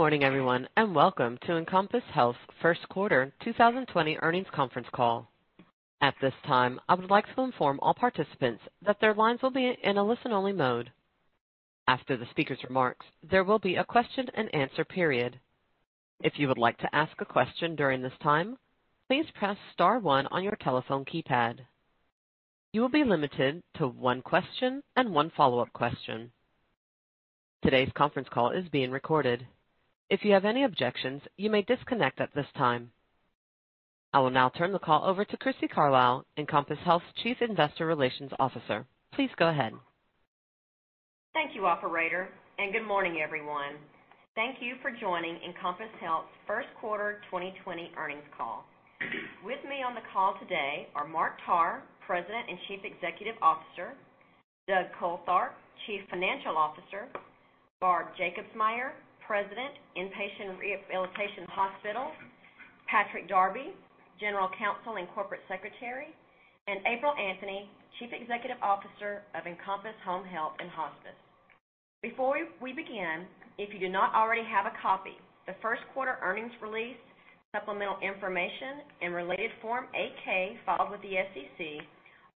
Good morning, everyone, welcome to Encompass Health's first quarter 2020 earnings conference call. At this time, I would like to inform all participants that their lines will be in a listen-only mode. After the speaker's remarks, there will be a question and answer period. If you would like to ask a question during this time, please press star one on your telephone keypad. You will be limited to one question and one follow-up question. Today's conference call is being recorded. If you have any objections, you may disconnect at this time. I will now turn the call over to Crissy Carlisle, Encompass Health's Chief Investor Relations Officer. Please go ahead. Thank you, operator. Good morning, everyone. Thank you for joining Encompass Health's first quarter 2020 earnings call. With me on the call today are Mark Tarr, President and Chief Executive Officer. Doug Coltharp, Chief Financial Officer. Barb Jacobsmeyer, President, Inpatient Rehabilitation Hospital. Patrick Darby, General Counsel and Corporate Secretary, and April Anthony, Chief Executive Officer of Encompass Home Health & Hospice. Before we begin, if you do not already have a copy, the first quarter earnings release, supplemental information, and related Form 8-K filed with the SEC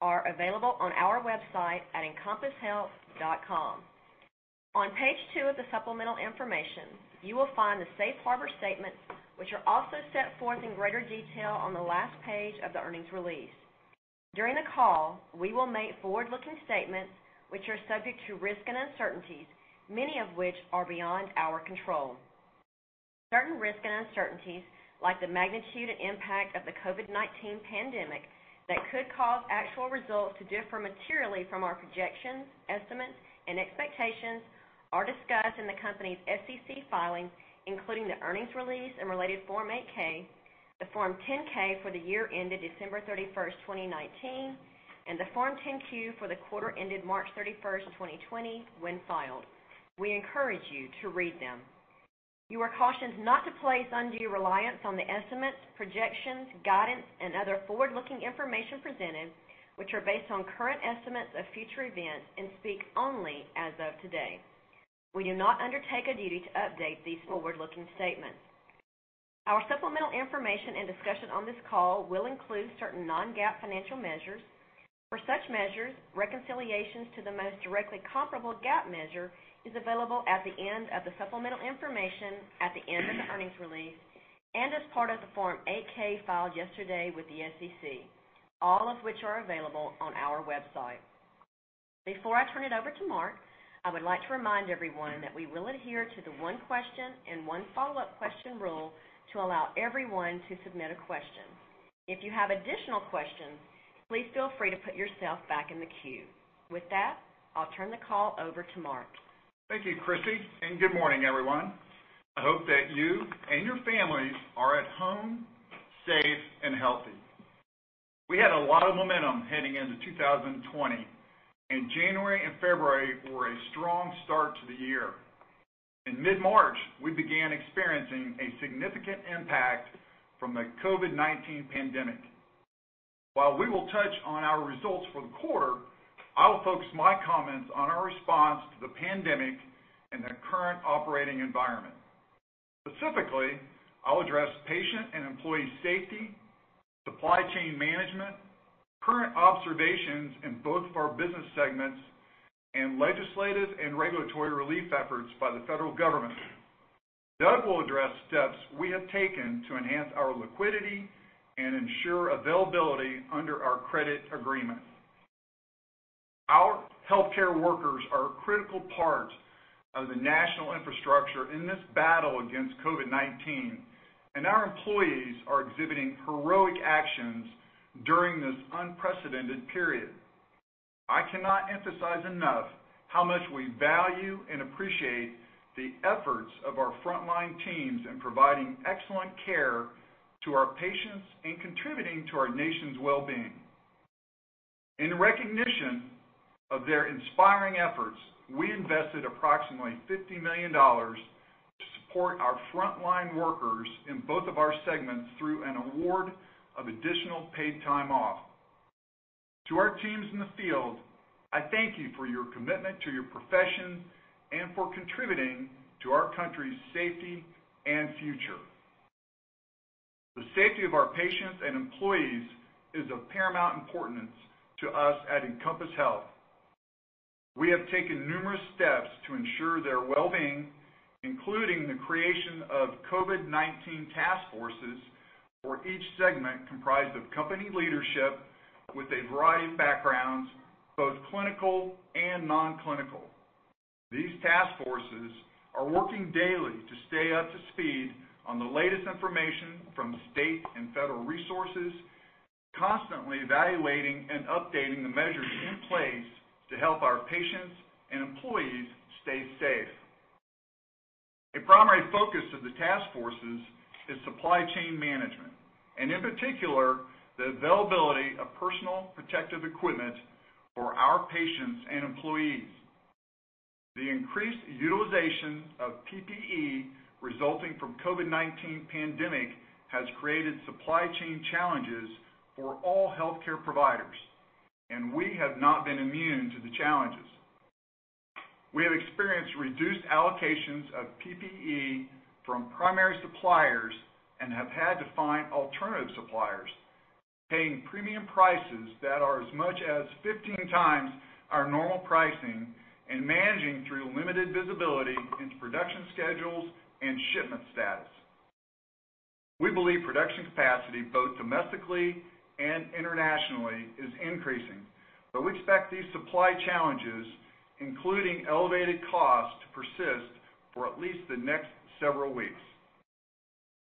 are available on our website at encompasshealth.com. On page two of the supplemental information, you will find the safe harbor statement, which are also set forth in greater detail on the last page of the earnings release. During the call, we will make forward-looking statements which are subject to risks and uncertainties, many of which are beyond our control. Certain risks and uncertainties, like the magnitude and impact of the COVID-19 pandemic that could cause actual results to differ materially from our projections, estimates, and expectations are discussed in the company's SEC filings, including the earnings release and related Form 8-K, the Form 10-K for the year ended 31st December, 2019, and the Form 10-Q for the quarter ended 31st March, 2020, when filed. We encourage you to read them. You are cautioned not to place undue reliance on the estimates, projections, guidance, and other forward-looking information presented, which are based on current estimates of future events and speak only as of today. We do not undertake a duty to update these forward-looking statements. Our supplemental information and discussion on this call will include certain non-GAAP financial measures. For such measures, reconciliations to the most directly comparable GAAP measure is available at the end of the supplemental information, at the end of the earnings release, and as part of the Form 8-K filed yesterday with the SEC, all of which are available on our website. Before I turn it over to Mark, I would like to remind everyone that we will adhere to the one question and one follow-up question rule to allow everyone to submit a question. If you have additional questions, please feel free to put yourself back in the queue. With that, I'll turn the call over to Mark. Thank you, Crissy, good morning, everyone. I hope that you and your families are at home, safe, and healthy. We had a lot of momentum heading into 2020, and January and February were a strong start to the year. In mid-March, we began experiencing a significant impact from the COVID-19 pandemic. While we will touch on our results for the quarter, I will focus my comments on our response to the pandemic and the current operating environment. Specifically, I'll address patient and employee safety, supply chain management, current observations in both of our business segments, and legislative and regulatory relief efforts by the federal government. Doug will address steps we have taken to enhance our liquidity and ensure availability under our credit agreement. Our healthcare workers are a critical part of the national infrastructure in this battle against COVID-19. Our employees are exhibiting heroic actions during this unprecedented period. I cannot emphasize enough how much we value and appreciate the efforts of our frontline teams in providing excellent care to our patients and contributing to our nation's well-being. In recognition of their inspiring efforts, we invested approximately $50 million to support our frontline workers in both of our segments through an award of additional paid time off. To our teams in the field, I thank you for your commitment to your profession and for contributing to our country's safety and future. The safety of our patients and employees is of paramount importance to us at Encompass Health. We have taken numerous steps to ensure their well-being, including the creation of COVID-19 task forces for each segment comprised of company leadership with a variety of backgrounds, both clinical and non-clinical. These task forces are working daily to stay up to speed on the latest information from state and federal resources, constantly evaluating and updating the measures in place to help our patients and employees stay safe. A primary focus of the task forces is supply chain management, and in particular, the availability of personal protective equipment for our patients and employees. The COVID-19 pandemic has created supply chain challenges for all healthcare providers, and we have not been immune to the challenges. We have experienced reduced allocations of PPE from primary suppliers and have had to find alternative suppliers, paying premium prices that are as much as 15 times our normal pricing, and managing through limited visibility into production schedules and shipment status. We believe production capacity, both domestically and internationally, is increasing, but we expect these supply challenges, including elevated costs, to persist for at least the next several weeks.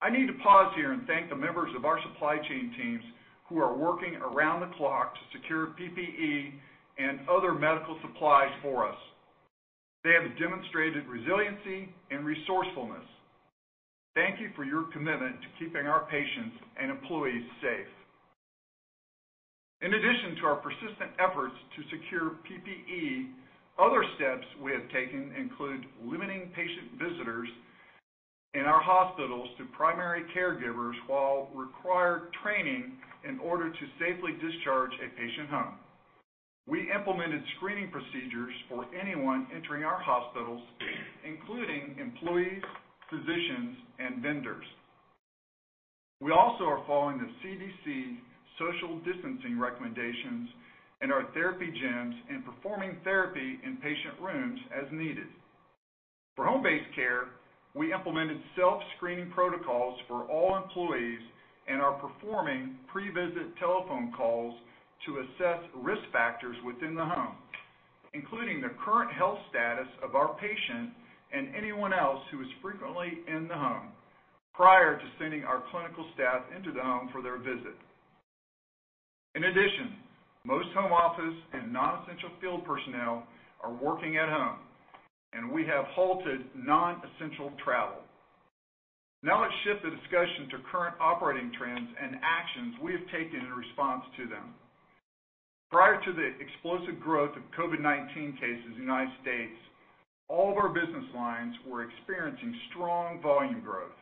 I need to pause here and thank the members of our supply chain teams who are working around the clock to secure PPE and other medical supplies for us. They have demonstrated resiliency and resourcefulness. Thank you for your commitment to keeping our patients and employees safe. In addition to our persistent efforts to secure PPE, other steps we have taken include limiting patient visitors in our hospitals to primary caregivers while required training in order to safely discharge a patient home. We implemented screening procedures for anyone entering our hospitals, including employees, physicians, and vendors. We also are following the CDC social distancing recommendations in our therapy gyms and performing therapy in patient rooms as needed. For home-based care, we implemented self-screening protocols for all employees and are performing pre-visit telephone calls to assess risk factors within the home, including the current health status of our patient and anyone else who is frequently in the home, prior to sending our clinical staff into the home for their visit. In addition, most home office and non-essential field personnel are working at home, and we have halted non-essential travel. Now let's shift the discussion to current operating trends and actions we have taken in response to them. Prior to the explosive growth of COVID-19 cases in the United States, all of our business lines were experiencing strong volume growth.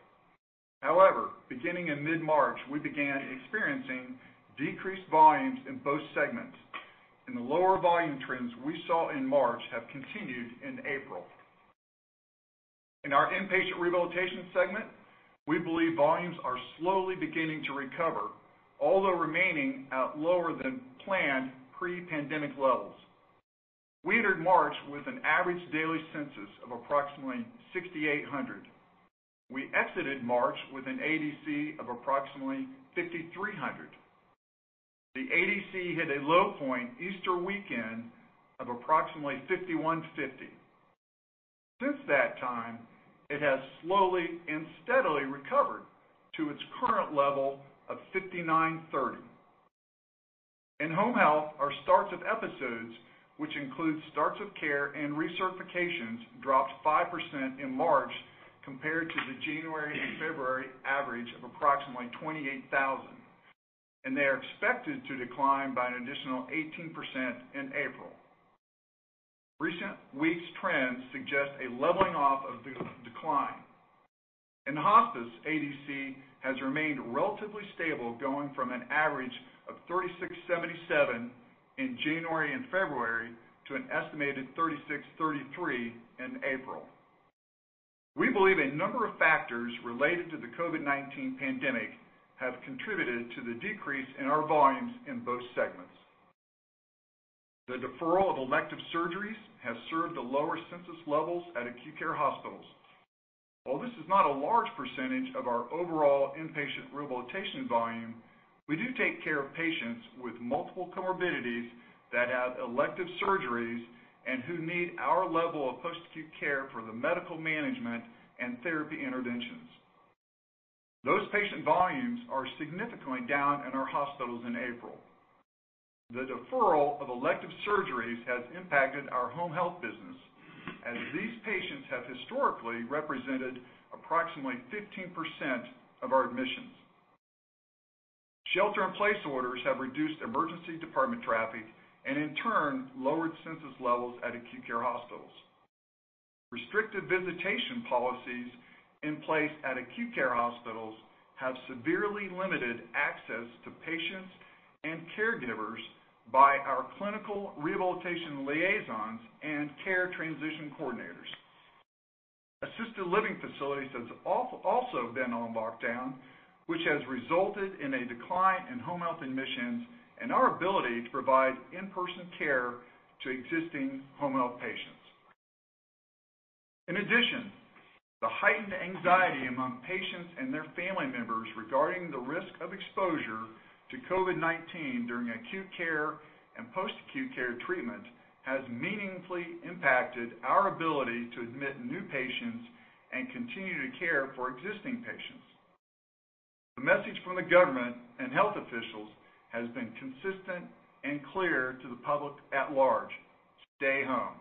Beginning in mid-March, we began experiencing decreased volumes in both segments, and the lower volume trends we saw in March have continued in April. In our inpatient rehabilitation segment, we believe volumes are slowly beginning to recover, although remaining at lower than planned pre-pandemic levels. We entered March with an average daily census of approximately 6,800. We exited March with an ADC of approximately 5,300. The ADC hit a low point Easter weekend of approximately 5,150. Since that time, it has slowly and steadily recovered to its current level of 5,930. In home health, our starts of episodes, which includes starts of care and recertifications, dropped 5% in March compared to the January and February average of approximately 28,000, and they are expected to decline by an additional 18% in April. Recent weeks' trends suggest a leveling off of the decline. In hospice, ADC has remained relatively stable, going from an average of 3,677 in January and February to an estimated 3,633 in April. We believe a number of factors related to the COVID-19 pandemic have contributed to the decrease in our volumes in both segments. The deferral of elective surgeries has served to lower census levels at acute care hospitals. While this is not a large percentage of our overall inpatient rehabilitation volume, we do take care of patients with multiple comorbidities that have elective surgeries and who need our level of post-acute care for the medical management and therapy interventions. Those patient volumes are significantly down in our hospitals in April. The deferral of elective surgeries has impacted our home health business, as these patients have historically represented approximately 15% of our admissions. Shelter in place orders have reduced emergency department traffic and, in turn, lowered census levels at acute care hospitals. Restrictive visitation policies in place at acute care hospitals have severely limited access to patients and caregivers by our clinical rehabilitation liaisons and care transition coordinators. Assisted living facilities have also been on lockdown, which has resulted in a decline in home health admissions and our ability to provide in-person care to existing home health patients. In addition, the heightened anxiety among patients and their family members regarding the risk of exposure to COVID-19 during acute care and post-acute care treatment has meaningfully impacted our ability to admit new patients and continue to care for existing patients. The message from the government and health officials has been consistent and clear to the public at large, stay home.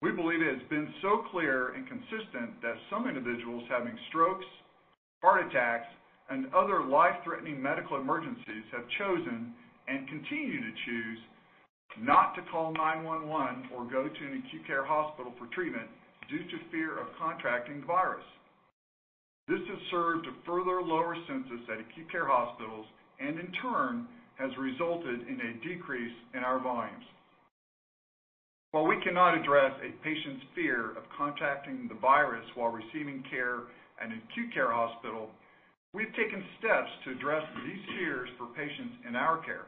We believe it has been so clear and consistent that some individuals having strokes, heart attacks and other life-threatening medical emergencies have chosen and continue to choose not to call 911 or go to an acute care hospital for treatment due to fear of contracting the virus. This has served to further lower census at acute care hospitals, and in turn, has resulted in a decrease in our volumes. While we cannot address a patient's fear of contracting the virus while receiving care at an acute care hospital, we've taken steps to address these fears for patients in our care.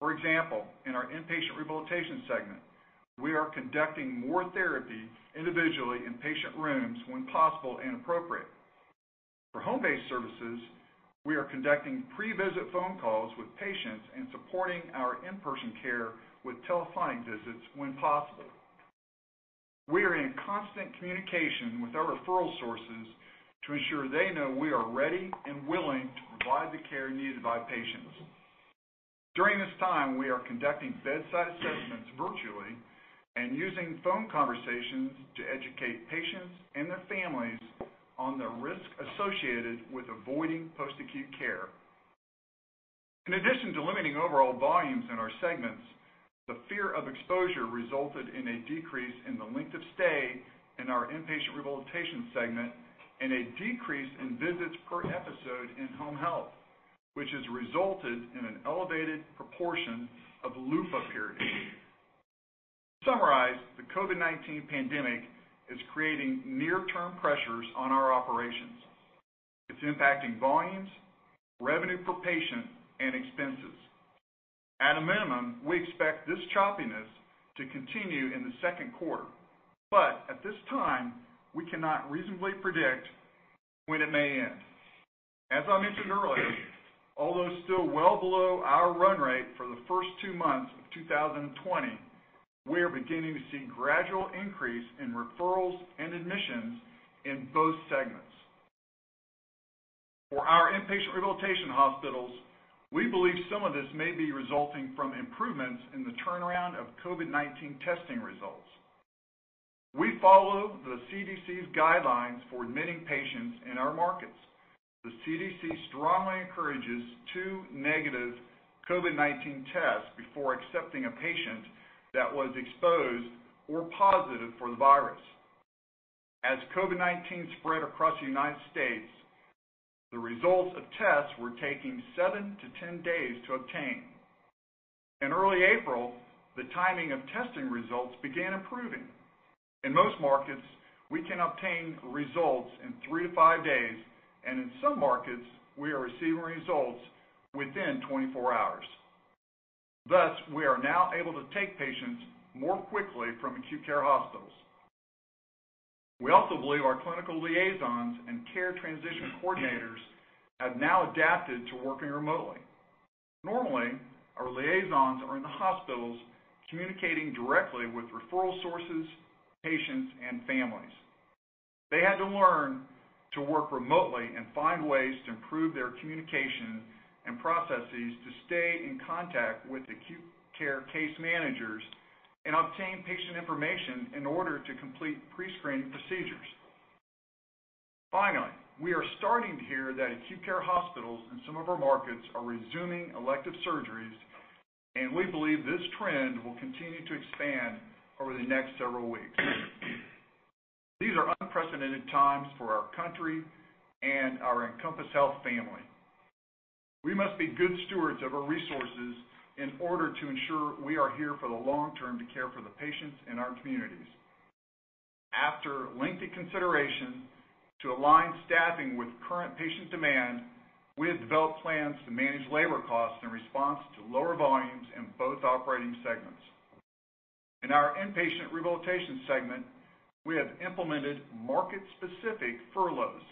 For example, in our Inpatient Rehabilitation segment, we are conducting more therapy individually in patient rooms when possible and appropriate. For home-based services, we are conducting pre-visit phone calls with patients and supporting our in-person care with telephone visits when possible. We are in constant communication with our referral sources to ensure they know we are ready and willing to provide the care needed by patients. During this time, we are conducting bedside assessments virtually and using phone conversations to educate patients and their families on the risk associated with avoiding post-acute care. In addition to limiting overall volumes in our segments, the fear of exposure resulted in a decrease in the length of stay in our inpatient rehabilitation segment and a decrease in visits per episode in home health, which has resulted in an elevated proportion of LUPA periods. To summarize, the COVID-19 pandemic is creating near-term pressures on our operations. It's impacting volumes, revenue per patient, and expenses. At a minimum, we expect this choppiness to continue in the second quarter. At this time, we cannot reasonably predict when it may end. As I mentioned earlier, although still well below our run rate for the first two months of 2020, we are beginning to see gradual increase in referrals and admissions in both segments. For our inpatient rehabilitation hospitals, we believe some of this may be resulting from improvements in the turnaround of COVID-19 testing results. We follow the CDC's guidelines for admitting patients in our markets. The CDC strongly encourages two negative COVID-19 tests before accepting a patient that was exposed or positive for the virus. As COVID-19 spread across the United States, the results of tests were taking seven to 10 days to obtain. In early April, the timing of testing results began improving. In most markets, we can obtain results in three to five days, and in some markets, we are receiving results within 24 hours. Thus, we are now able to take patients more quickly from acute care hospitals. We also believe our clinical liaisons and care transition coordinators have now adapted to working remotely. Normally, our liaisons are in the hospitals communicating directly with referral sources, patients, and families. They had to learn to work remotely and find ways to improve their communication and processes to stay in contact with acute care case managers and obtain patient information in order to complete pre-screening procedures. We are starting to hear that acute care hospitals in some of our markets are resuming elective surgeries, and we believe this trend will continue to expand over the next several weeks. These are unprecedented times for our country and our Encompass Health family. We must be good stewards of our resources in order to ensure we are here for the long term to care for the patients in our communities. After lengthy consideration to align staffing with current patient demand, we have developed plans to manage labor costs in response to lower volumes in both operating segments. In our inpatient rehabilitation segment, we have implemented market-specific furloughs.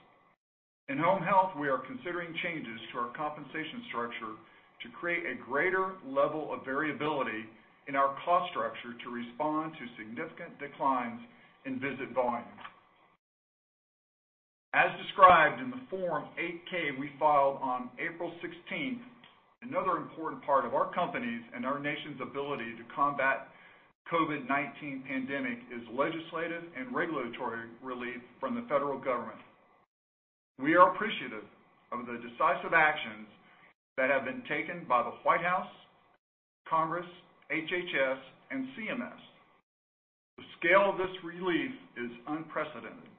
In home health, we are considering changes to our compensation structure to create a greater level of variability in our cost structure to respond to significant declines in visit volumes. As described in the Form 8-K we filed on 16th April, another important part of our company's and our nation's ability to combat COVID-19 pandemic is legislative and regulatory relief from the federal government. We are appreciative of the decisive actions that have been taken by the White House, Congress, HHS, and CMS. The scale of this relief is unprecedented.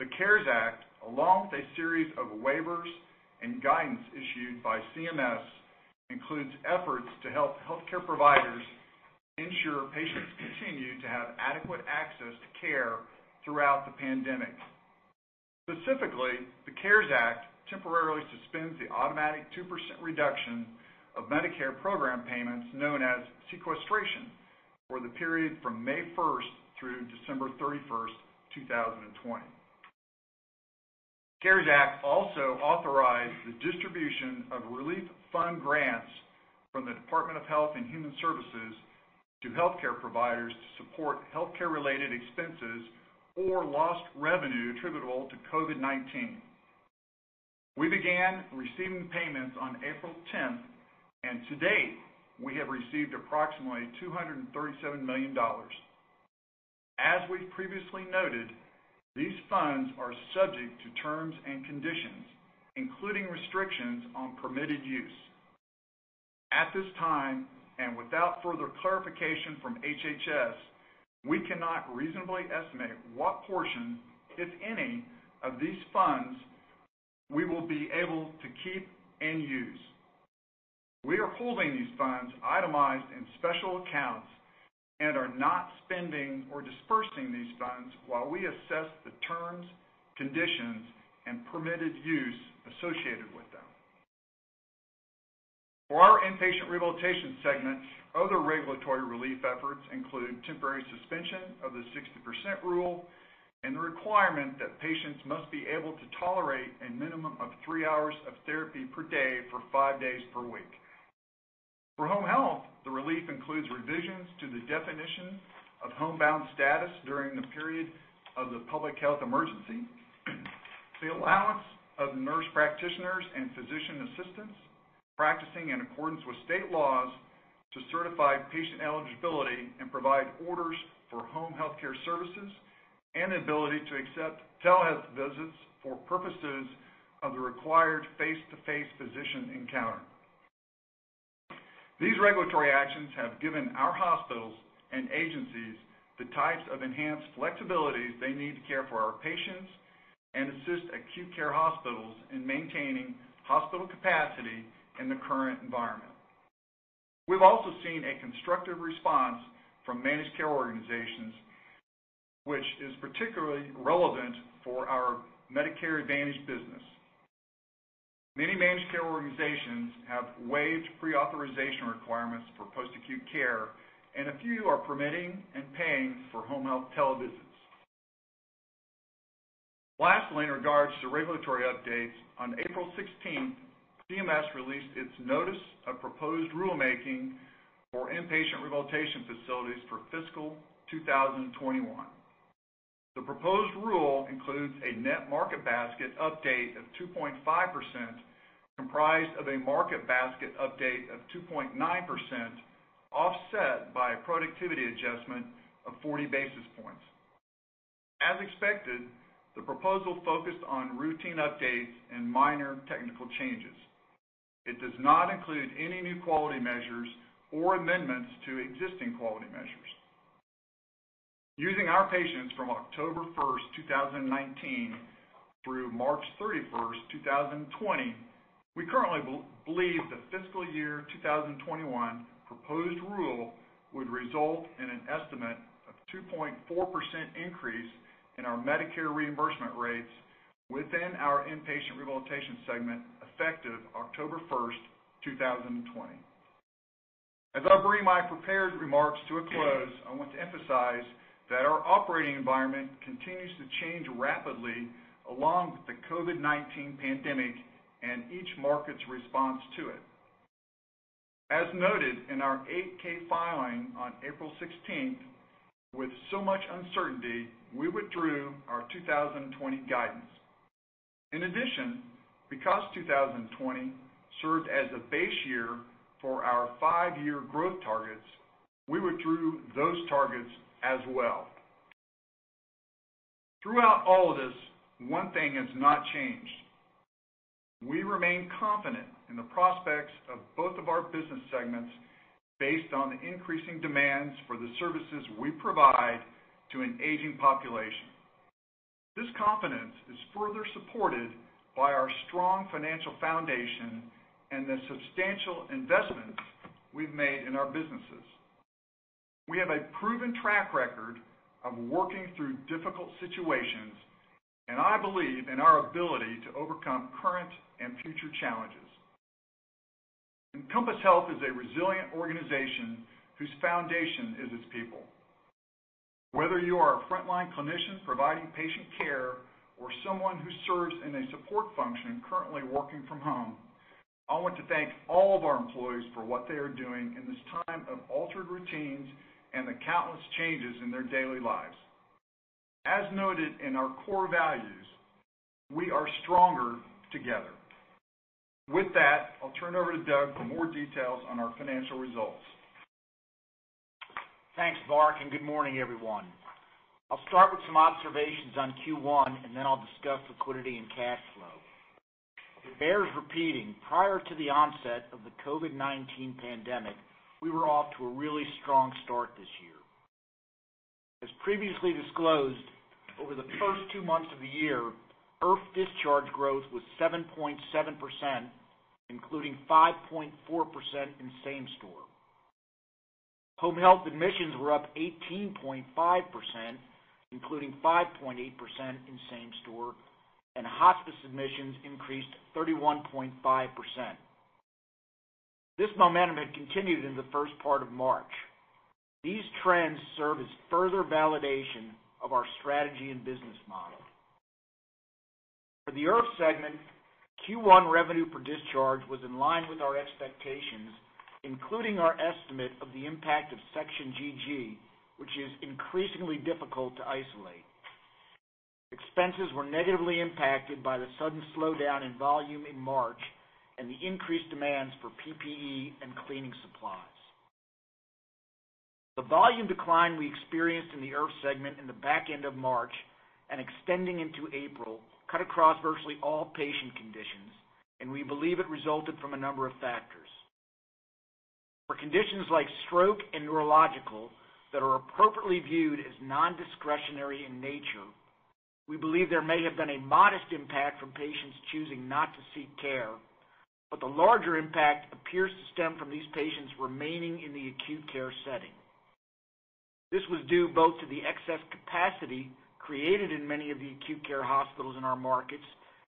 The CARES Act, along with a series of waivers and guidance issued by CMS, includes efforts to help healthcare providers ensure patients continue to have adequate access to care throughout the pandemic. Specifically, the CARES Act temporarily suspends the automatic 2% reduction of Medicare program payments, known as sequestration, for the period from 1st May through 31st December, 2020. CARES Act also authorized the distribution of relief fund grants from the Department of Health and Human Services to healthcare providers to support healthcare-related expenses or lost revenue attributable to COVID-19. We began receiving payments on 10th April, and to date, we have received approximately $237 million. As we've previously noted, these funds are subject to terms and conditions, including restrictions on permitted use. At this time, and without further clarification from HHS, we cannot reasonably estimate what portion, if any, of these funds we will be able to keep and use. We are holding these funds itemized in special accounts and are not spending or disbursing these funds while we assess the terms, conditions, and permitted use associated with them. For our Inpatient Rehabilitation segment, other regulatory relief efforts include temporary suspension of the 60% Rule and the requirement that patients must be able to tolerate a minimum of three hours of therapy per day for five days per week. For home health, the relief includes revisions to the definition of homebound status during the period of the public health emergency, the allowance of nurse practitioners and physician assistants practicing in accordance with state laws to certify patient eligibility and provide orders for home healthcare services, and the ability to accept telehealth visits for purposes of the required face-to-face physician encounter. These regulatory actions have given our hospitals and agencies the types of enhanced flexibilities they need to care for our patients and assist acute care hospitals in maintaining hospital capacity in the current environment. We've also seen a constructive response from Managed Care Organizations, which is particularly relevant for our Medicare Advantage business. Many Managed Care Organizations have waived pre-authorization requirements for post-acute care, and a few are permitting and paying for home health televisits. In regards to regulatory updates, on April 16th, CMS released its notice of proposed rulemaking for Inpatient Rehabilitation Facilities for fiscal 2021. The proposed rule includes a net market basket update of 2.5%, comprised of a market basket update of 2.9%, offset by a productivity adjustment of 40 basis points. As expected, the proposal focused on routine updates and minor technical changes. It does not include any new quality measures or amendments to existing quality measures. Using our patients from 1st October, 2019, through 31st March, 2020, we currently believe the fiscal year 2021 proposed rule would result in an estimate of 2.4% increase in our Medicare reimbursement rates within our inpatient rehabilitation segment, effective 1st October, 2020. As I bring my prepared remarks to a close, I want to emphasize that our operating environment continues to change rapidly along with the COVID-19 pandemic and each market's response to it. As noted in our Form 8-K filing on 16th April, with so much uncertainty, we withdrew our 2020 guidance. In addition, because 2020 served as the base year for our five-year growth targets, we withdrew those targets as well. Throughout all of this, one thing has not changed. We remain confident in the prospects of both of our business segments based on the increasing demands for the services we provide to an aging population. This confidence is further supported by our strong financial foundation and the substantial investments we've made in our businesses. We have a proven track record of working through difficult situations, and I believe in our ability to overcome current and future challenges. Encompass Health is a resilient organization whose foundation is its people. Whether you are a frontline clinician providing patient care or someone who serves in a support function currently working from home, I want to thank all of our employees for what they are doing in this time of altered routines and the countless changes in their daily lives. As noted in our core values, we are stronger together. With that, I'll turn it over to Doug for more details on our financial results. Thanks, Mark. Good morning, everyone. I'll start with some observations on Q1. Then I'll discuss liquidity and cash flow. It bears repeating, prior to the onset of the COVID-19 pandemic, we were off to a really strong start this year. As previously disclosed, over the first two months of the year, IRF discharge growth was 7.7%, including 5.4% in same store. Home health admissions were up 18.5%, including 5.8% in same store. Hospice admissions increased 31.5%. This momentum had continued in the first part of March. These trends serve as further validation of our strategy and business model. For the IRF segment, Q1 revenue per discharge was in line with our expectations, including our estimate of the impact of Section GG, which is increasingly difficult to isolate. Expenses were negatively impacted by the sudden slowdown in volume in March and the increased demands for PPE and cleaning supplies. The volume decline we experienced in the IRF segment in the back end of March and extending into April, cut across virtually all patient conditions, and we believe it resulted from a number of factors. For conditions like stroke and neurological that are appropriately viewed as non-discretionary in nature, we believe there may have been a modest impact from patients choosing not to seek care, but the larger impact appears to stem from these patients remaining in the acute care setting. This was due both to the excess capacity created in many of the acute care hospitals in our markets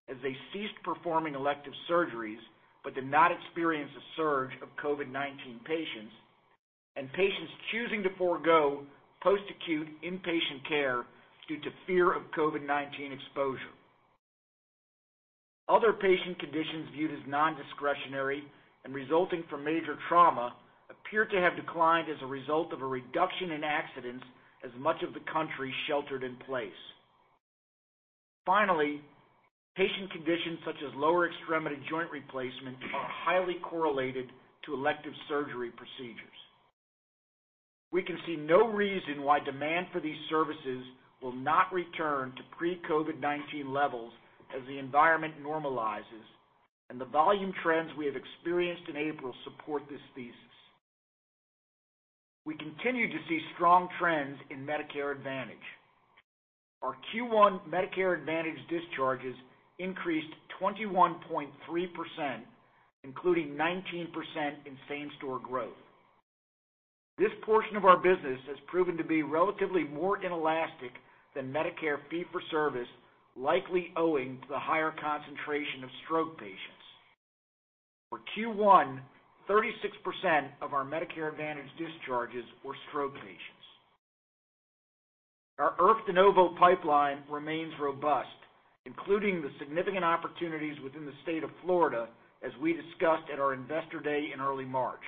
as they ceased performing elective surgeries but did not experience a surge of COVID-19 patients, and patients choosing to forego post-acute inpatient care due to fear of COVID-19 exposure. Other patient conditions viewed as non-discretionary and resulting from major trauma appeared to have declined as a result of a reduction in accidents as much of the country sheltered in place. Finally, patient conditions such as lower extremity joint replacements are highly correlated to elective surgery procedures. We can see no reason why demand for these services will not return to pre-COVID-19 levels as the environment normalizes, and the volume trends we have experienced in April support this thesis. We continue to see strong trends in Medicare Advantage. Our Q1 Medicare Advantage discharges increased 21.3%, including 19% in same-store growth. This portion of our business has proven to be relatively more inelastic than Medicare fee-for-service, likely owing to the higher concentration of stroke patients. For Q1, 36% of our Medicare Advantage discharges were stroke patients. Our IRF de novo pipeline remains robust, including the significant opportunities within the State of Florida, as we discussed at our Investor Day in early March.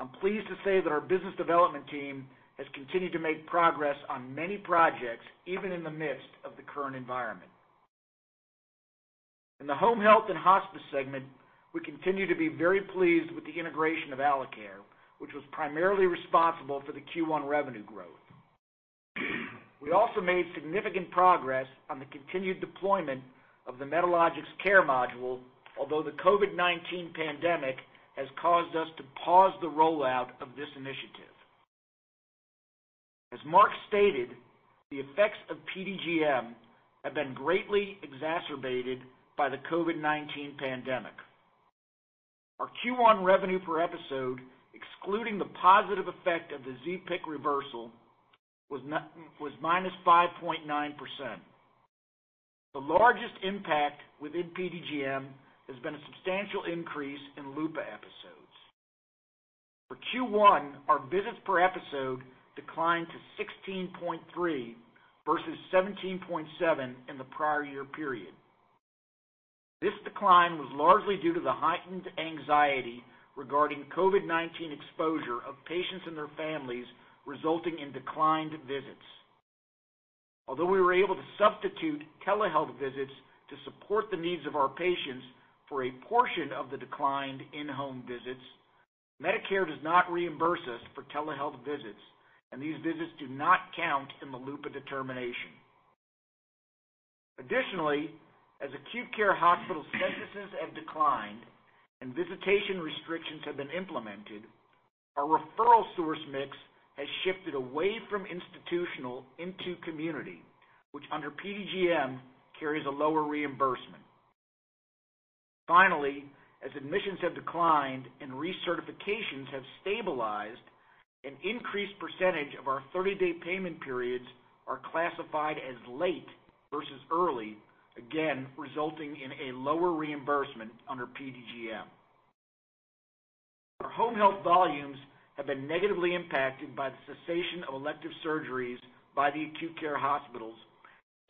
I'm pleased to say that our business development team has continued to make progress on many projects, even in the midst of the current environment. In the home health and hospice segment, we continue to be very pleased with the integration of Alacare, which was primarily responsible for the Q1 revenue growth. We also made significant progress on the continued deployment of the Medalogix Care module, although the COVID-19 pandemic has caused us to pause the rollout of this initiative. As Mark stated, the effects of PDGM have been greatly exacerbated by the COVID-19 pandemic. Our Q1 revenue per episode, excluding the positive effect of the ZPIC reversal, was -5.9%. The largest impact within PDGM has been a substantial increase in LUPA episodes. For Q1, our visits per episode declined to 16.3 versus 17.7 in the prior year period. This decline was largely due to the heightened anxiety regarding COVID-19 exposure of patients and their families, resulting in declined visits. Although we were able to substitute telehealth visits to support the needs of our patients for a portion of the declined in-home visits, Medicare does not reimburse us for telehealth visits, and these visits do not count in the LUPA determination. As acute care hospital census have declined and visitation restrictions have been implemented, our referral source mix has shifted away from institutional into community, which under PDGM, carries a lower reimbursement. As admissions have declined and recertifications have stabilized, an increased percentage of our 30-day payment periods are classified as late versus early, again, resulting in a lower reimbursement under PDGM. Our home health volumes have been negatively impacted by the cessation of elective surgeries by the acute care hospitals,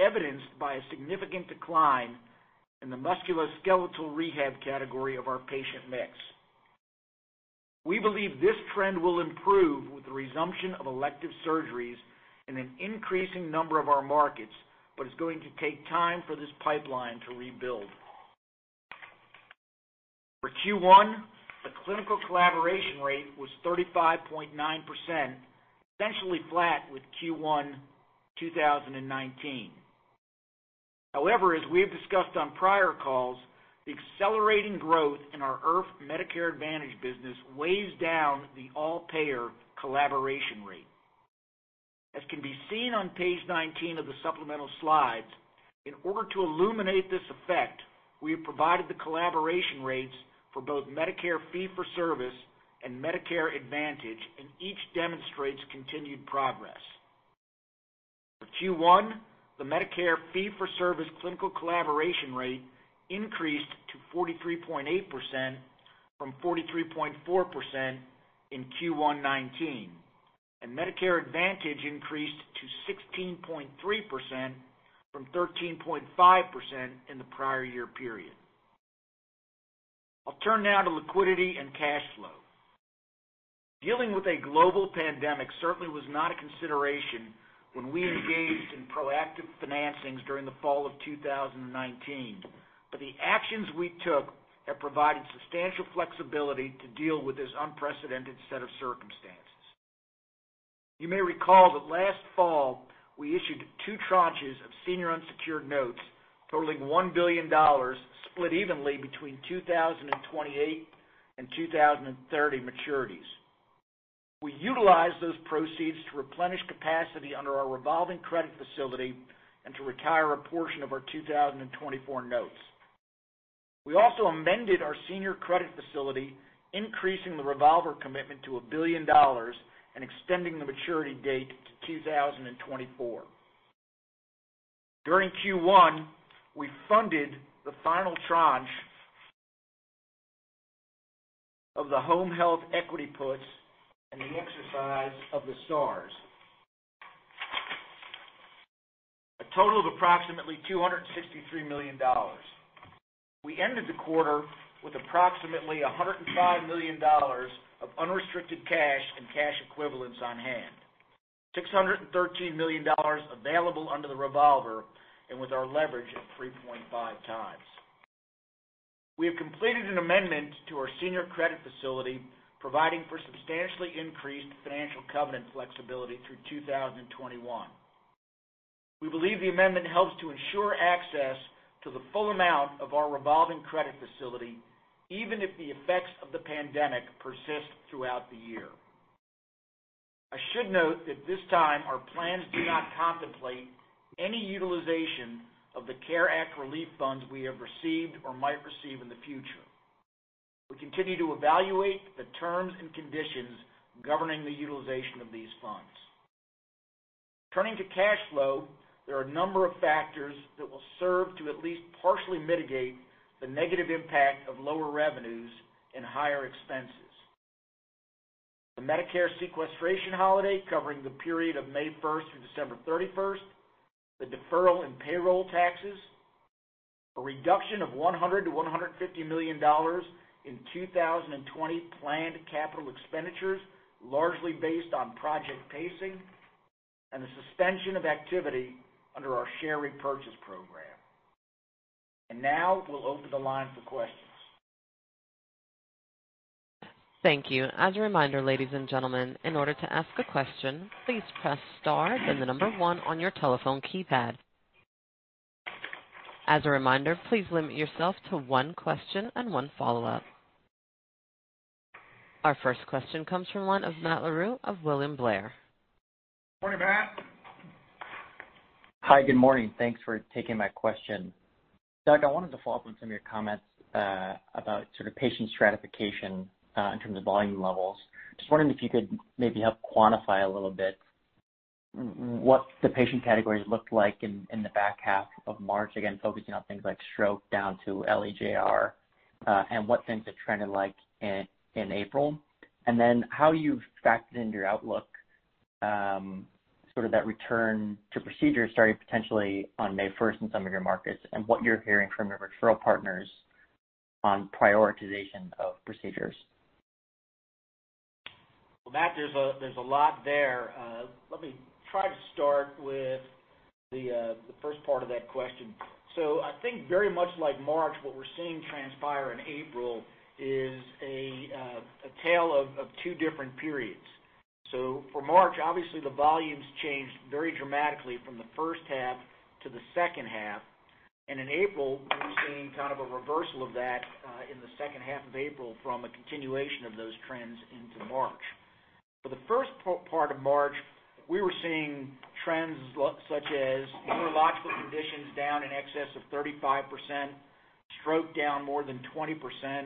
evidenced by a significant decline in the musculoskeletal rehab category of our patient mix. It's going to take time for this pipeline to rebuild. For Q1, the clinical collaboration rate was 35.9%, essentially flat with Q1 2019. However, as we have discussed on prior calls, the accelerating growth in our IRF Medicare Advantage business weighs down the all-payer collaboration rate. As can be seen on page 19 of the supplemental slides, in order to illuminate this effect, we have provided the collaboration rates for both Medicare fee-for-service and Medicare Advantage. Each demonstrates continued progress. For Q1, the Medicare fee-for-service clinical collaboration rate increased to 43.8% from 43.4% in Q1 2019, and Medicare Advantage increased to 16.3% from 13.5% in the prior year period. I'll turn now to liquidity and cash flow. Dealing with a global pandemic certainly was not a consideration when we engaged in proactive financings during the fall of 2019, the actions we took have provided substantial flexibility to deal with this unprecedented set of circumstances. You may recall that last fall, we issued two tranches of senior unsecured notes totaling $1 billion, split evenly between 2028 and 2030 maturities. We utilized those proceeds to replenish capacity under our revolving credit facility and to retire a portion of our 2024 notes. We also amended our senior credit facility, increasing the revolver commitment to $1 billion and extending the maturity date to 2024. During Q1, we funded the final tranche of the home health equity puts and the exercise of the SARs. A total of approximately $263 million. We ended the quarter with approximately $105 million of unrestricted cash and cash equivalents on hand, $613 million available under the revolver, and with our leverage at 3.5 times. We have completed an amendment to our senior credit facility, providing for substantially increased financial covenant flexibility through 2021. We believe the amendment helps to ensure access to the full amount of our revolving credit facility, even if the effects of the pandemic persist throughout the year. I should note that this time, our plans do not contemplate any utilization of the CARES Act relief funds we have received or might receive in the future. We continue to evaluate the terms and conditions governing the utilization of these funds. Turning to cash flow, there are a number of factors that will serve to at least partially mitigate the negative impact of lower revenues and higher expenses. The Medicare sequestration holiday covering the period of 1st May through 31st December, the deferral in payroll taxes, a reduction of $100 million-$150 million in 2020 planned capital expenditures, largely based on project pacing, and the suspension of activity under our share repurchase program. Now, we'll open the line for questions. Thank you. As a reminder, ladies and gentlemen, in order to ask a question, please press star then the number one on your telephone keypad. As a reminder, please limit yourself to one question and one follow-up. Our first question comes from the line of Matt Larew of William Blair. Morning, Matt. Hi, good morning. Thanks for taking my question. Doug, I wanted to follow up on some of your comments about patient stratification in terms of volume levels. Just wondering if you could maybe help quantify a little bit what the patient categories looked like in the back half of March. Again, focusing on things like stroke down to LEJR, and what things are trending like in April. How you've factored into your outlook, sort of that return to procedures starting potentially on May 1st in some of your markets, and what you're hearing from your referral partners on prioritization of procedures. Well, Matt, there's a lot there. Let me try to start with the first part of that question. I think very much like March, what we're seeing transpire in April is a tale of two different periods. For March, obviously, the volumes changed very dramatically from the first half to the second half. In April, we're seeing kind of a reversal of that in the second half of April from a continuation of those trends into March. For the first part of March, we were seeing trends such as neurological conditions down in excess of 35%, stroke down more than 20%,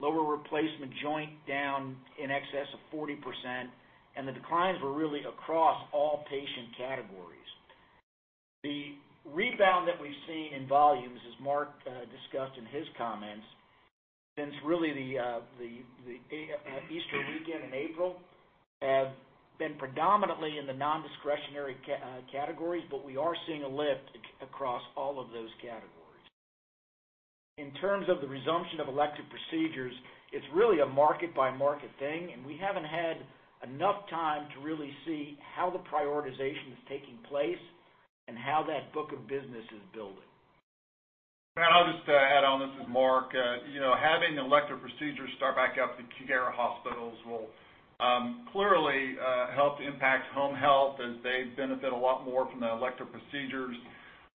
lower replacement joint down in excess of 40%, and the declines were really across all patient categories. The rebound that we've seen in volumes, as Mark discussed in his comments, since really the Easter weekend in April, have been predominantly in the non-discretionary categories, but we are seeing a lift across all of those categories. In terms of the resumption of elective procedures, it's really a market-by-market thing, and we haven't had enough time to really see how the prioritization is taking place and how that book of business is building. Matt, I'll just add on. This is Mark. Having elective procedures start back up in acute care hospitals will clearly help impact home health as they benefit a lot more from the elective procedures.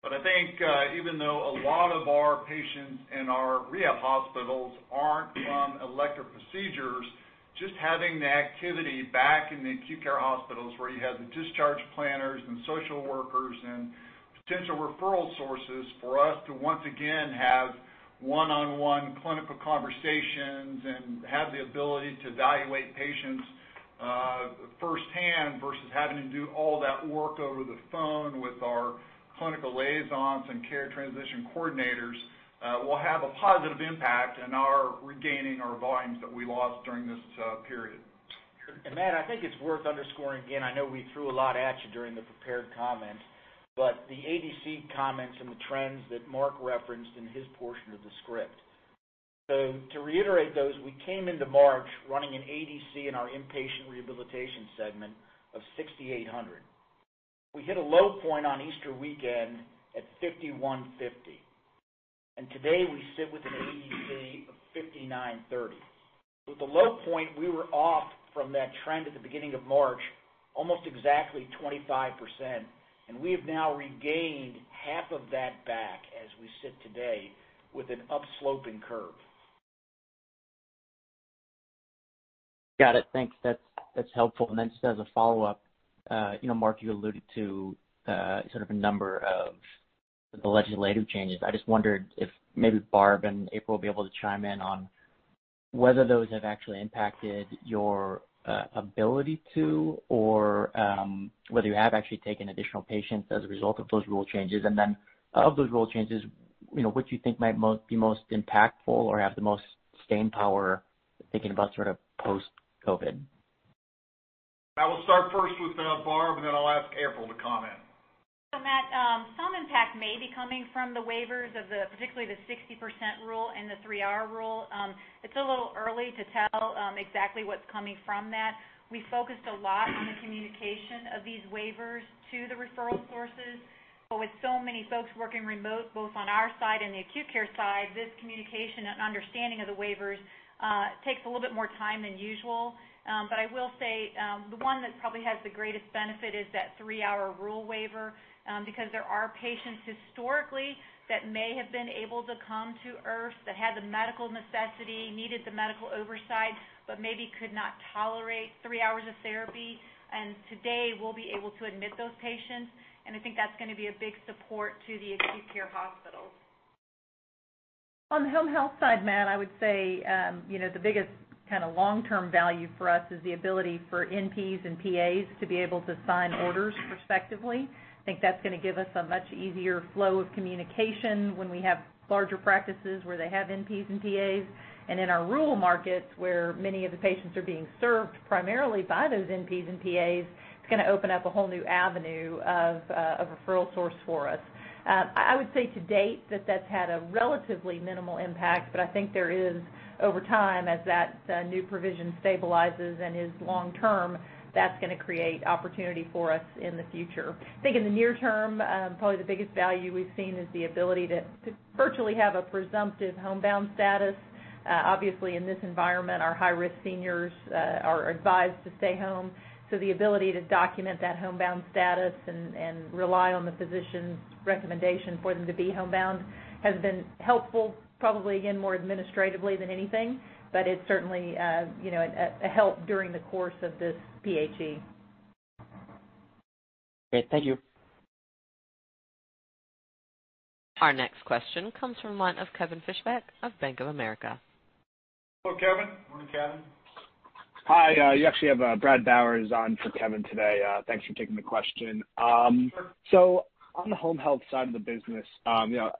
I think, even though a lot of our patients in our rehab hospitals aren't from elective procedures, just having the activity back in the acute care hospitals, where you have the discharge planners and social workers and potential referral sources for us to once again have one-on-one clinical conversations and have the ability to evaluate patients firsthand versus having to do all that work over the phone with our clinical liaisons and care transition coordinators will have a positive impact in our regaining our volumes that we lost during this period. Matt, I think it's worth underscoring again, I know we threw a lot at you during the prepared comments, but the ADC comments and the trends that Mark referenced in his portion of the script. To reiterate those, we came into March running an ADC in our inpatient rehabilitation segment of 6,800. We hit a low point on Easter weekend at 5,150, and today we sit with an ADC of 5,930. The low point, we were off from that trend at the beginning of March, almost exactly 25%, and we have now regained half of that back as we sit today with an upsloping curve. Got it. Thanks. That's helpful. Just as a follow-up, Mark, you alluded to sort of a number of the legislative changes. I just wondered if maybe Barb and April will be able to chime in on whether those have actually impacted your ability to, or whether you have actually taken additional patients as a result of those rule changes. Of those rule changes, what you think might be most impactful or have the most staying power thinking about post-COVID. I will start first with Barb, and then I'll ask April to comment. Matt, some impact may be coming from the waivers of particularly the 60% Rule and the 3-Hour Rule. It's a little early to tell exactly what's coming from that. With so many folks working remote, both on our side and the acute care side, this communication and understanding of the waivers takes a little bit more time than usual. I will say, the one that probably has the greatest benefit is that Three-Hour Rule waiver, because there are patients historically that may have been able to come to IRF that had the medical necessity, needed the medical oversight, but maybe could not tolerate three hours of therapy. Today, we'll be able to admit those patients, and I think that's going to be a big support to the acute care hospitals. On the home health side, Matt, I would say, the biggest kind of long-term value for us is the ability for NPs and PAs to be able to sign orders respectively. I think that's going to give us a much easier flow of communication when we have larger practices where they have NPs and PAs. In our rural markets, where many of the patients are being served primarily by those NPs and PAs, it's going to open up a whole new avenue of referral source for us. I would say to date that that's had a relatively minimal impact, but I think there is over time, as that new provision stabilizes and is long-term, that's going to create opportunity for us in the future. I think in the near term, probably the biggest value we've seen is the ability to virtually have a presumptive homebound status. Obviously, in this environment, our high-risk seniors are advised to stay home. The ability to document that homebound status and rely on the physician's recommendation for them to be homebound has been helpful, probably, again, more administratively than anything. It's certainly a help during the course of this PHE. Great. Thank you. Our next question comes from the line of Kevin Fischbeck of Bank of America. Hello, Kevin. Morning, Kevin. Hi, you actually have Bradley Bowers on for Kevin today. Thanks for taking the question. Sure. On the Home Health side of the business,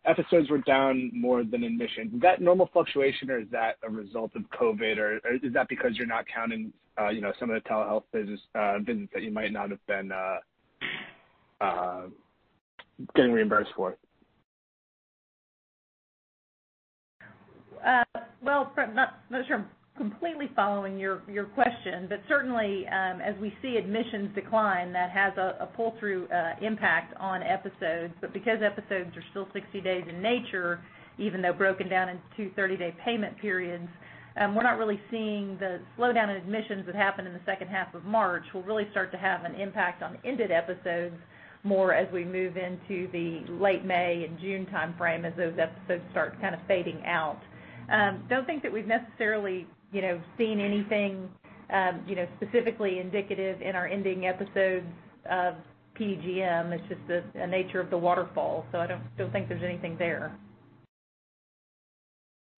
episodes were down more than admissions. Is that normal fluctuation or is that a result of COVID, or is that because you're not counting some of the telehealth visits that you might not have been getting reimbursed for? Well, I'm not sure I'm completely following your question, but certainly, as we see admissions decline, that has a pull-through impact on episodes. Because episodes are still 60 days in nature, even though broken down into 230-day payment periods, we're not really seeing the slowdown in admissions that happened in the second half of March will really start to have an impact on ended episodes more as we move into the late May and June timeframe as those episodes start kind of fading out. I don't think that we've necessarily seen anything specifically indicative in our ending episodes of PDGM. It's just the nature of the waterfall. I don't think there's anything there.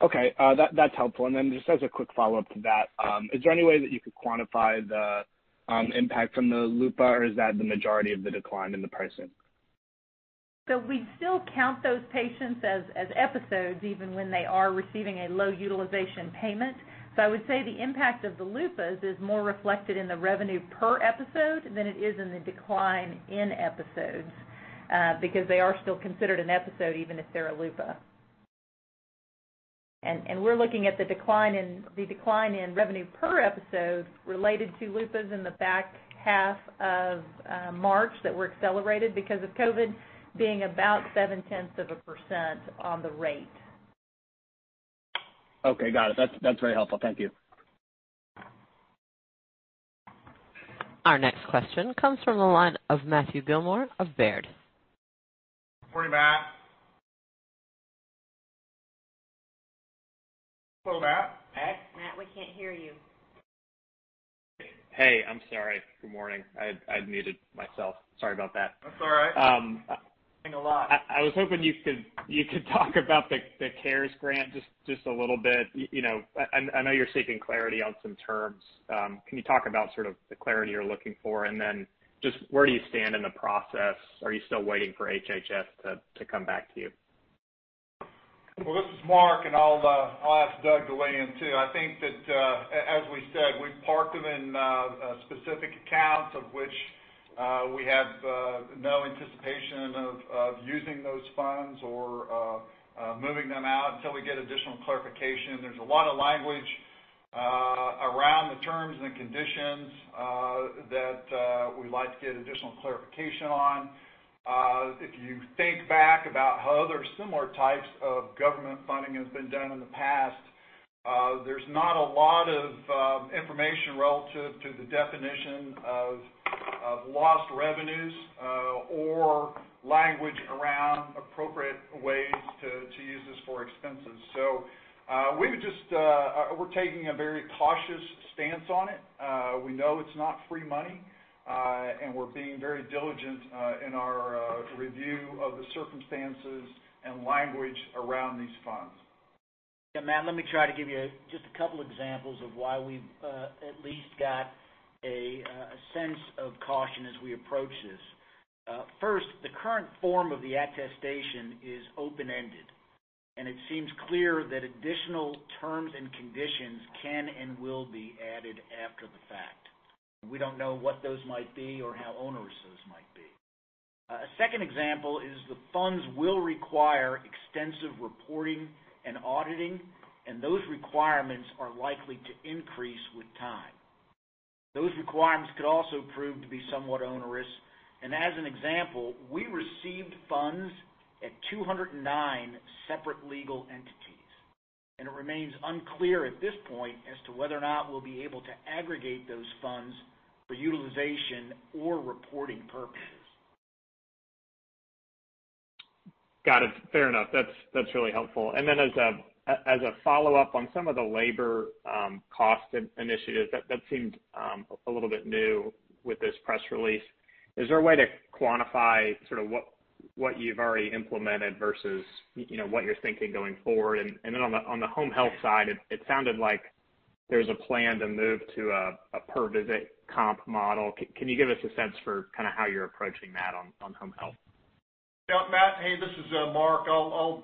Okay, that's helpful. Just as a quick follow-up to that, is there any way that you could quantify the impact from the LUPA, or is that the majority of the decline in the pricing? We still count those patients as episodes, even when they are receiving a Low Utilization Payment. I would say the impact of the LUPAs is more reflected in the revenue per episode than it is in the decline in episodes, because they are still considered an episode, even if they're a LUPA. We're looking at the decline in revenue per episode related to LUPAs in the back half of March that were accelerated because of COVID being about 0.7% on the rate. Okay. Got it. That's very helpful. Thank you. Our next question comes from the line of Matthew Gillmor of Baird. Morning, Matt. Hello, Matt. Matt? Matt, we can't hear you. Hey, I'm sorry. Good morning. I had muted myself. Sorry about that. That's all right. I was hoping you could talk about the CARES Grant just a little bit. I know you're seeking clarity on some terms. Can you talk about sort of the clarity you're looking for, and then just where do you stand in the process? Are you still waiting for HHS to come back to you? This is Mark, and I'll ask Doug to weigh in, too. I think that, as we said, we parked them in specific accounts of which we have no anticipation of using those funds or moving them out until we get additional clarification. There's a lot of language around the terms and conditions that we'd like to get additional clarification on. If you think back about how other similar types of government funding has been done in the past, there's not a lot of information relative to the definition of lost revenues, or language around appropriate ways to use this for expenses. We're taking a very cautious stance on it. We know it's not free money, and we're being very diligent in our review of the circumstances and language around these funds. Yeah, Matthew, let me try to give you just a couple examples of why we've at least got a sense of caution as we approach this. The current form of the attestation is open-ended, and it seems clear that additional terms and conditions can and will be added after the fact. We don't know what those might be or how onerous those might be. A second example is the funds will require extensive reporting and auditing, and those requirements are likely to increase with time. Those requirements could also prove to be somewhat onerous. As an example, we received funds at 209 separate legal entities. It remains unclear at this point as to whether or not we'll be able to aggregate those funds for utilization or reporting purposes. Got it. Fair enough. That's really helpful. As a follow-up on some of the labor cost initiatives, that seemed a little bit new with this press release. Is there a way to quantify what you've already implemented versus what you're thinking going forward? On the home health side, it sounded like there's a plan to move to a per-visit comp model. Can you give us a sense for how you're approaching that on home health? Yeah, Matt, hey, this is Mark. I'll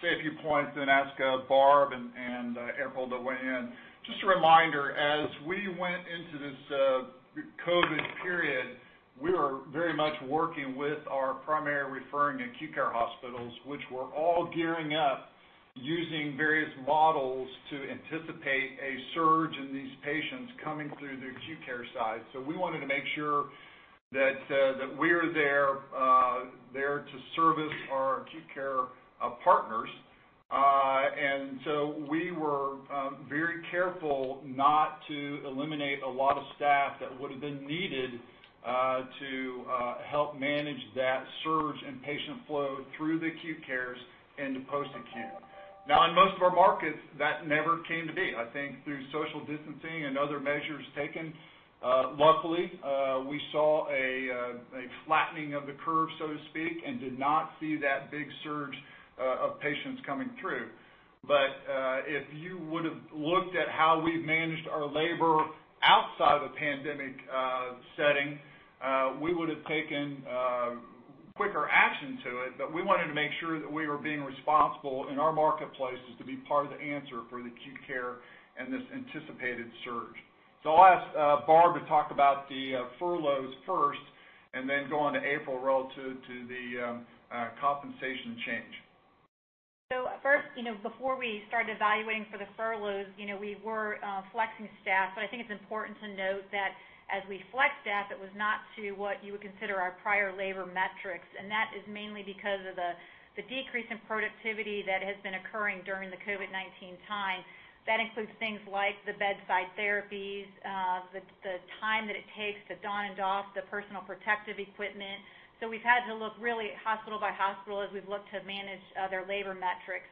say a few points and then ask Barb and April to weigh in. Just a reminder, as we went into this COVID period, we were very much working with our primary referring acute care hospitals, which were all gearing up using various models to anticipate a surge in these patients coming through their acute care side. We wanted to make sure that we are there to service our acute care partners. We were very careful not to eliminate a lot of staff that would have been needed to help manage that surge in patient flow through the acute cares into post-acute. Now, in most of our markets, that never came to be. I think through social distancing and other measures taken, luckily, we saw a flattening of the curve, so to speak, and did not see that big surge of patients coming through. If you would have looked at how we've managed our labor outside of a pandemic setting, we would have taken quicker action to it. We wanted to make sure that we were being responsible in our marketplaces to be part of the answer for the acute care and this anticipated surge. I'll ask Barb to talk about the furloughs first and then go on to April relative to the compensation change. First, before we started evaluating for the furloughs, we were flexing staff. I think it's important to note that as we flexed staff, it was not to what you would consider our prior labor metrics. That is mainly because of the decrease in productivity that has been occurring during the COVID-19 time. That includes things like the bedside therapies, the time that it takes to don and doff the personal protective equipment. We've had to look really at hospital by hospital as we've looked to manage their labor metrics.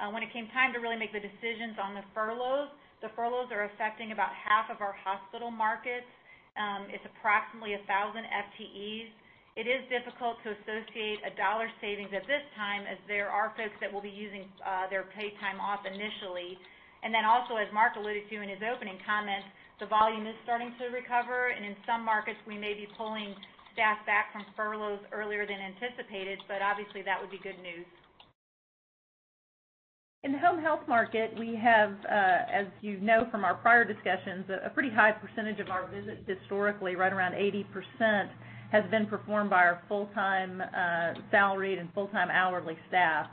When it came time to really make the decisions on the furloughs, the furloughs are affecting about half of our hospital markets. It's approximately 1,000 FTEs. It is difficult to associate a dollar savings at this time, as there are folks that will be using their paid time off initially. Also, as Mark alluded to in his opening comments, the volume is starting to recover, and in some markets, we may be pulling staff back from furloughs earlier than anticipated. Obviously, that would be good news. In the home health market, we have, as you know from our prior discussions, a pretty high percentage of our visits historically, right around 80%, has been performed by our full-time salaried and full-time hourly staff.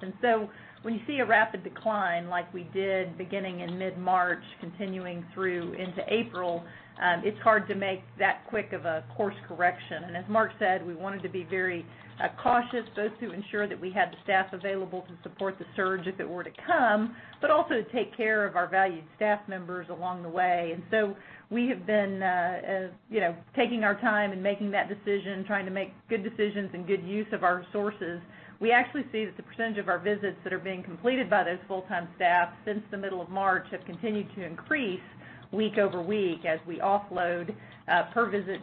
When you see a rapid decline like we did beginning in mid-March, continuing through into April, it's hard to make that quick of a course correction. As Mark said, we wanted to be very cautious, both to ensure that we had the staff available to support the surge if it were to come, but also to take care of our valued staff members along the way. We have been taking our time and making that decision, trying to make good decisions and good use of our resources. We actually see that the percentage of our visits that are being completed by those full-time staff since the middle of March have continued to increase. Week-over-week as we offload per-visit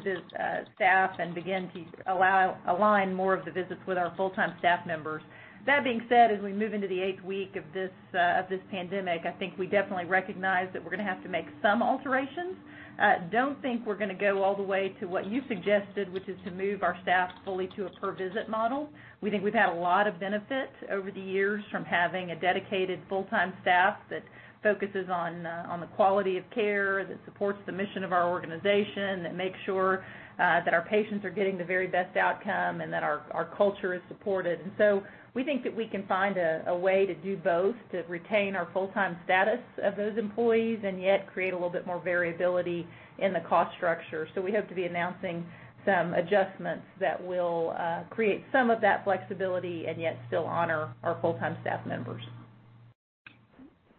staff and begin to align more of the visits with our full-time staff members. That being said, as we move into the eighth week of this pandemic, I think we definitely recognize that we're going to have to make some alterations. We don't think we're going to go all the way to what you suggested, which is to move our staff fully to a per-visit model. We think we've had a lot of benefit over the years from having a dedicated full-time staff that focuses on the quality of care, that supports the mission of our organization, that makes sure that our patients are getting the very best outcome, and that our culture is supported. We think that we can find a way to do both, to retain our full-time status of those employees, and yet create a little bit more variability in the cost structure. We hope to be announcing some adjustments that will create some of that flexibility and yet still honor our full-time staff members.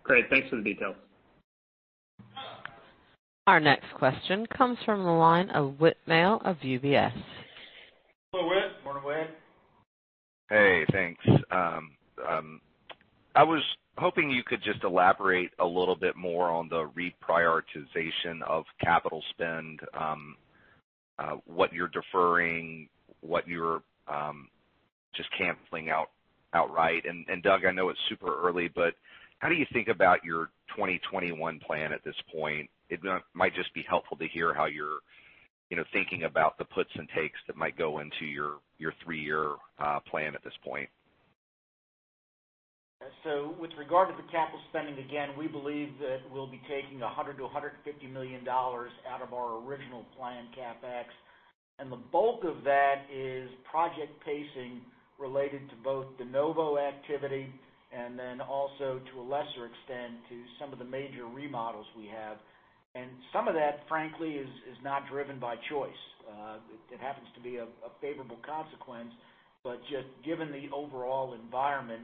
Great. Thanks for the details. Our next question comes from the line of Whit Mayo of UBS. Hello, Whit. Morning, Whit. Hey, thanks. I was hoping you could just elaborate a little bit more on the reprioritization of capital spend, what you're deferring, what you're just canceling outright. Doug, I know it's super early, but how do you think about your 2021 plan at this point? It might just be helpful to hear how you're thinking about the puts and takes that might go into your three-year plan at this point. With regard to the capital spending, again, we believe that we'll be taking $100 million to $150 million out of our original plan CapEx. The bulk of that is project pacing related to both de novo activity and then also to a lesser extent, to some of the major remodels we have. Some of that, frankly, is not driven by choice. It happens to be a favorable consequence, but just given the overall environment,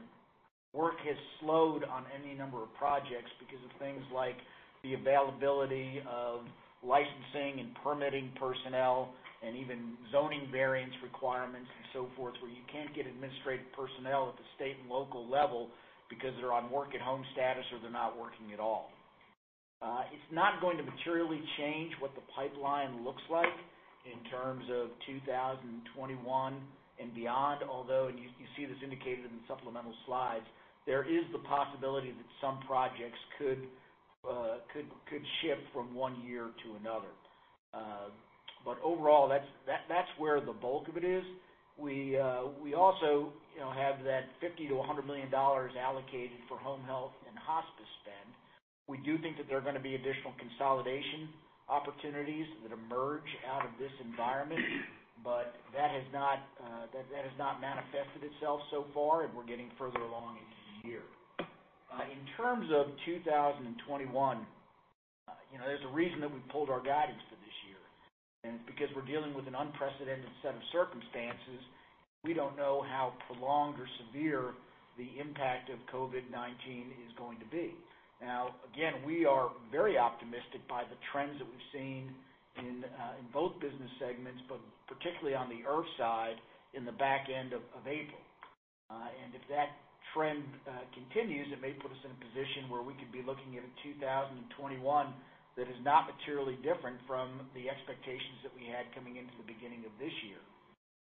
work has slowed on any number of projects because of things like the availability of licensing and permitting personnel and even zoning variance requirements and so forth, where you can't get administrative personnel at the state and local level because they're on work at home status or they're not working at all. It's not going to materially change what the pipeline looks like in terms of 2021 and beyond, although, and you see this indicated in the supplemental slides, there is the possibility that some projects could shift from one year to another. Overall, that's where the bulk of it is. We also have that $50 million-$100 million allocated for home health and hospice spend. We do think that there are going to be additional consolidation opportunities that emerge out of this environment, but that has not manifested itself so far, and we're getting further along in the year. In terms of 2021, there's a reason that we pulled our guidance for this year, and it's because we're dealing with an unprecedented set of circumstances. We don't know how prolonged or severe the impact of COVID-19 is going to be. Again, we are very optimistic by the trends that we've seen in both business segments, but particularly on the IRF side in the back end of April. If that trend continues, it may put us in a position where we could be looking at a 2021 that is not materially different from the expectations that we had coming into the beginning of this year.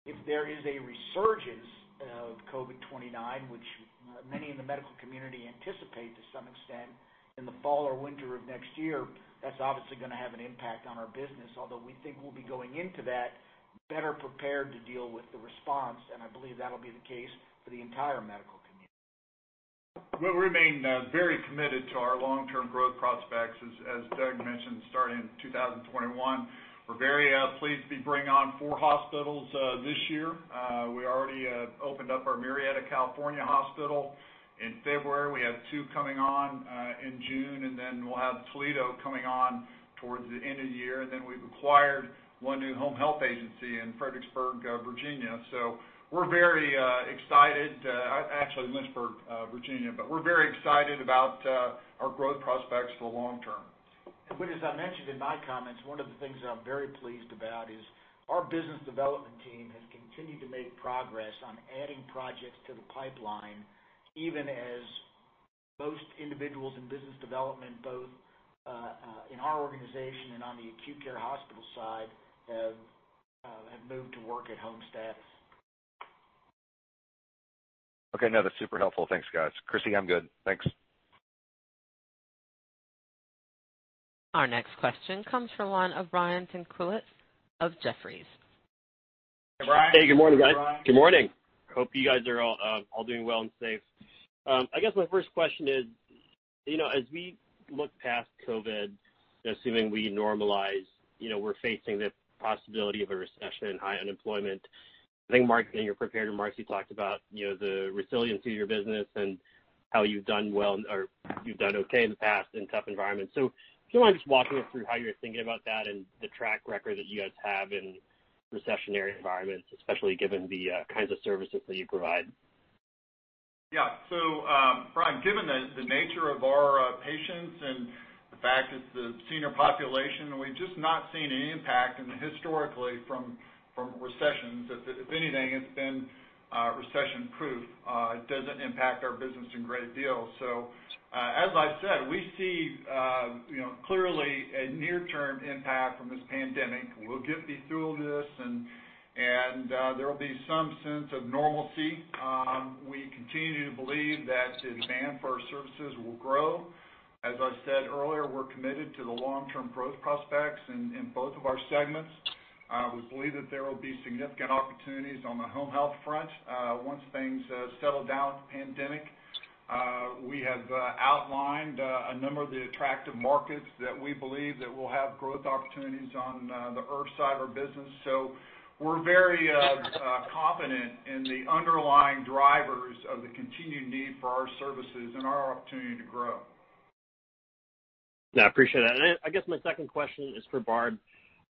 If there is a resurgence of COVID-19, which many in the medical community anticipate to some extent in the fall or winter of next year, that's obviously going to have an impact on our business, although we think we'll be going into that better prepared to deal with the response, and I believe that'll be the case for the entire medical community. We remain very committed to our long-term growth prospects, as Doug mentioned, starting in 2021. We're very pleased to be bringing on four hospitals this year. We already opened up our Murrieta, California hospital in February. We have two coming on in June, and then we'll have Toledo coming on towards the end of the year. We've acquired one new home health agency in Fredericksburg, Virginia. Actually, Lynchburg, Virginia. We're very excited about our growth prospects for the long term. Whit, as I mentioned in my comments, one of the things that I'm very pleased about is our business development team has continued to make progress on adding projects to the pipeline, even as most individuals in business development, both in our organization and on the acute care hospital side, have moved to work at home status. Okay. No, that's super helpful. Thanks, guys. Crissy, I'm good. Thanks. Our next question comes from the line of Brian Tanquilut of Jefferies. Hey, Brian. Hey, good morning, guys. Good morning. Hope you guys are all doing well and safe. I guess my first question is, as we look past COVID, assuming we normalize, we're facing the possibility of a recession, high unemployment. I think, Mark, in your prepared remarks, you talked about the resiliency of your business and how you've done well or you've done okay in the past in tough environments. Do you mind just walking us through how you're thinking about that and the track record that you guys have in recessionary environments, especially given the kinds of services that you provide? Yeah. Brian, given the nature of our patients and the fact it's the senior population, we've just not seen any impact, and historically from recessions, if anything, it's been recession-proof. It doesn't impact our business a great deal. As I said, we see clearly a near-term impact from this pandemic. We'll get through this, and there'll be some sense of normalcy. We continue to believe that the demand for our services will grow. As I said earlier, we're committed to the long-term growth prospects in both of our segments. We believe that there will be significant opportunities on the home health front once things settle down from the pandemic. We have outlined a number of the attractive markets that we believe that will have growth opportunities on the IRF side of our business. We're very confident in the underlying drivers of the continued need for our services and our opportunity to grow. Yeah, appreciate that. I guess my second question is for Barb.